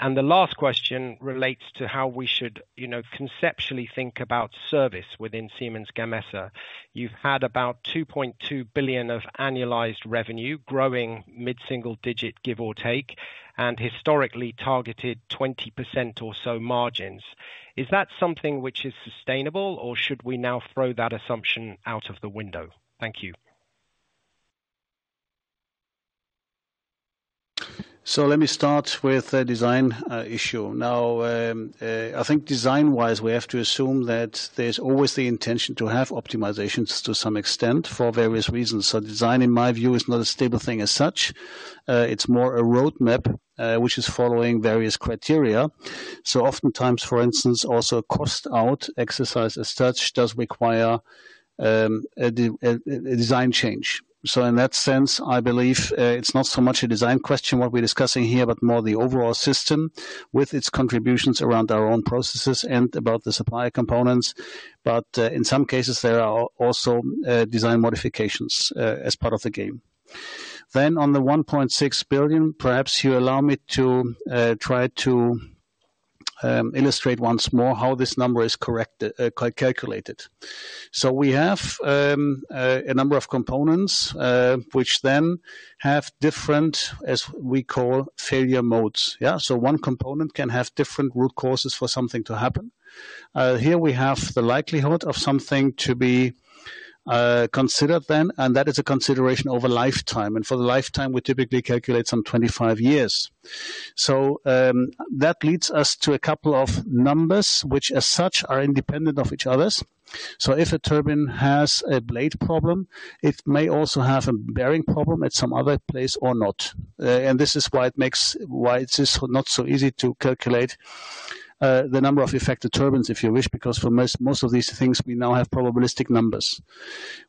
The last question relates to how we should, you know, conceptually think about service within Siemens Gamesa. You've had about 2.2 billion of annualized revenue, growing mid-single digit, give or take, and historically targeted 20% or so margins. Is that something which is sustainable, or should we now throw that assumption out of the window? Thank you. Let me start with the design issue. I think design-wise, we have to assume that there's always the intention to have optimizations to some extent for various reasons. Design, in my view, is not a stable thing as such. It's more a roadmap which is following various criteria. Oftentimes, for instance, also cost out exercise as such, does require a design change. In that sense, I believe, it's not so much a design question, what we're discussing here, but more the overall system with its contributions around our own processes and about the supplier components. In some cases, there are also design modifications as part of the game. On the 1.6 billion, perhaps you allow me to try to- ... illustrate once more how this number is correct, calculated. We have a number of components, which then have different, as we call, failure modes. Yeah, one component can have different root causes for something to happen. Here we have the likelihood of something to be considered then, and that is a consideration over lifetime. For the lifetime, we typically calculate some 25 years. That leads us to a couple of numbers, which, as such, are independent of each others. If a turbine has a blade problem, it may also have a bearing problem at some other place or not. This is why it is not so easy to calculate the number of affected turbines, if you wish, because for most, most of these things, we now have probabilistic numbers.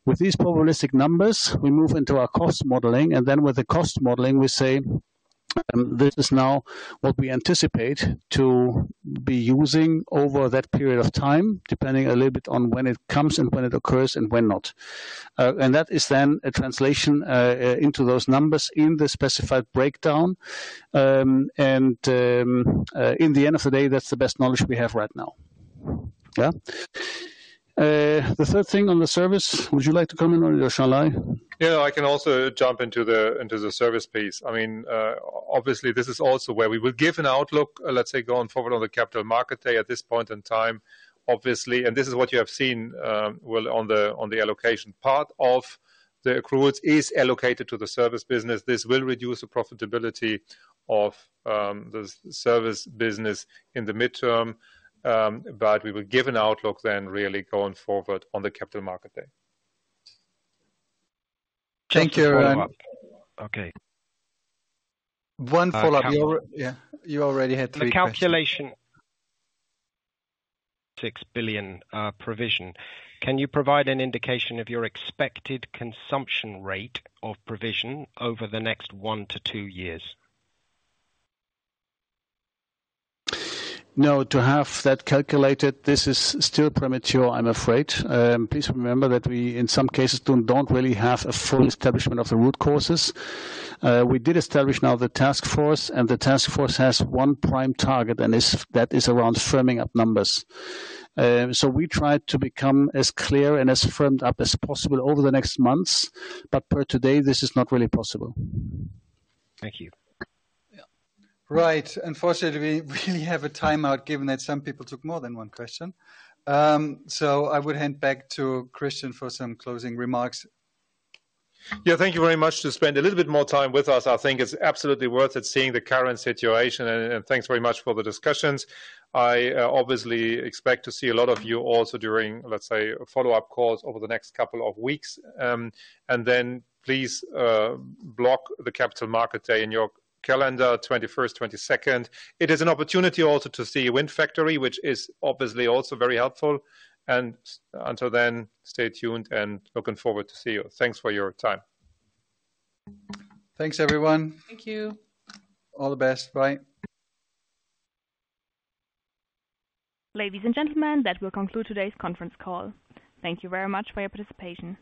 With these probabilistic numbers, we move into our cost modeling. Then with the cost modeling, we say, this is now what we anticipate to be using over that period of time, depending a little bit on when it comes and when it occurs and when not. That is then a translation into those numbers in the specified breakdown. In the end of the day, that's the best knowledge we have right now. Yeah? The third thing on the service, would you like to comment on it, or shall I? Yeah, I can also jump into the, into the service piece. I mean, obviously, this is also where we will give an outlook, let's say, going forward on the Capital Market Day at this point in time, obviously, and this is what you have seen, well, on the, on the allocation. Part of the accruals is allocated to the service business. This will reduce the profitability of, the service business in the midterm. We will give an outlook then, really going forward on the Capital Market Day. Thank you, everyone. Okay. One follow-up. You yeah, you already had three questions. The calculation, 6 billion provision. Can you provide an indication of your expected consumption rate of provision over the next one to two years? No, to have that calculated, this is still premature, I'm afraid. Please remember that we, in some cases, don't, don't really have a full establishment of the root causes. We did establish now the task force, and the task force has one prime target, and that is around firming up numbers. We try to become as clear and as firmed up as possible over the next months, but per today, this is not really possible. Thank you. Yeah. Right. Unfortunately, we really have a timeout, given that some people took more than one question. I would hand back to Christian for some closing remarks. Yeah, thank you very much to spend a little bit more time with us. I think it's absolutely worth it, seeing the current situation, thanks very much for the discussions. I obviously expect to see a lot of you also during, let's say, follow-up calls over the next couple of weeks. Then please, block the Capital Market Day in your calendar, 21st, 22nd. It is an opportunity also to see Wind Factory, which is obviously also very helpful. Until then, stay tuned, and looking forward to see you. Thanks for your time. Thanks, everyone. Thank you. All the best. Bye. Ladies and gentlemen, that will conclude today's conference call. Thank you very much for your participation.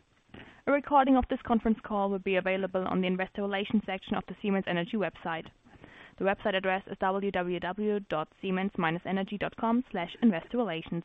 A recording of this conference call will be available on the Investor Relations section of the Siemens Energy website. The website address is www.siemens-energy.com/investorrelations.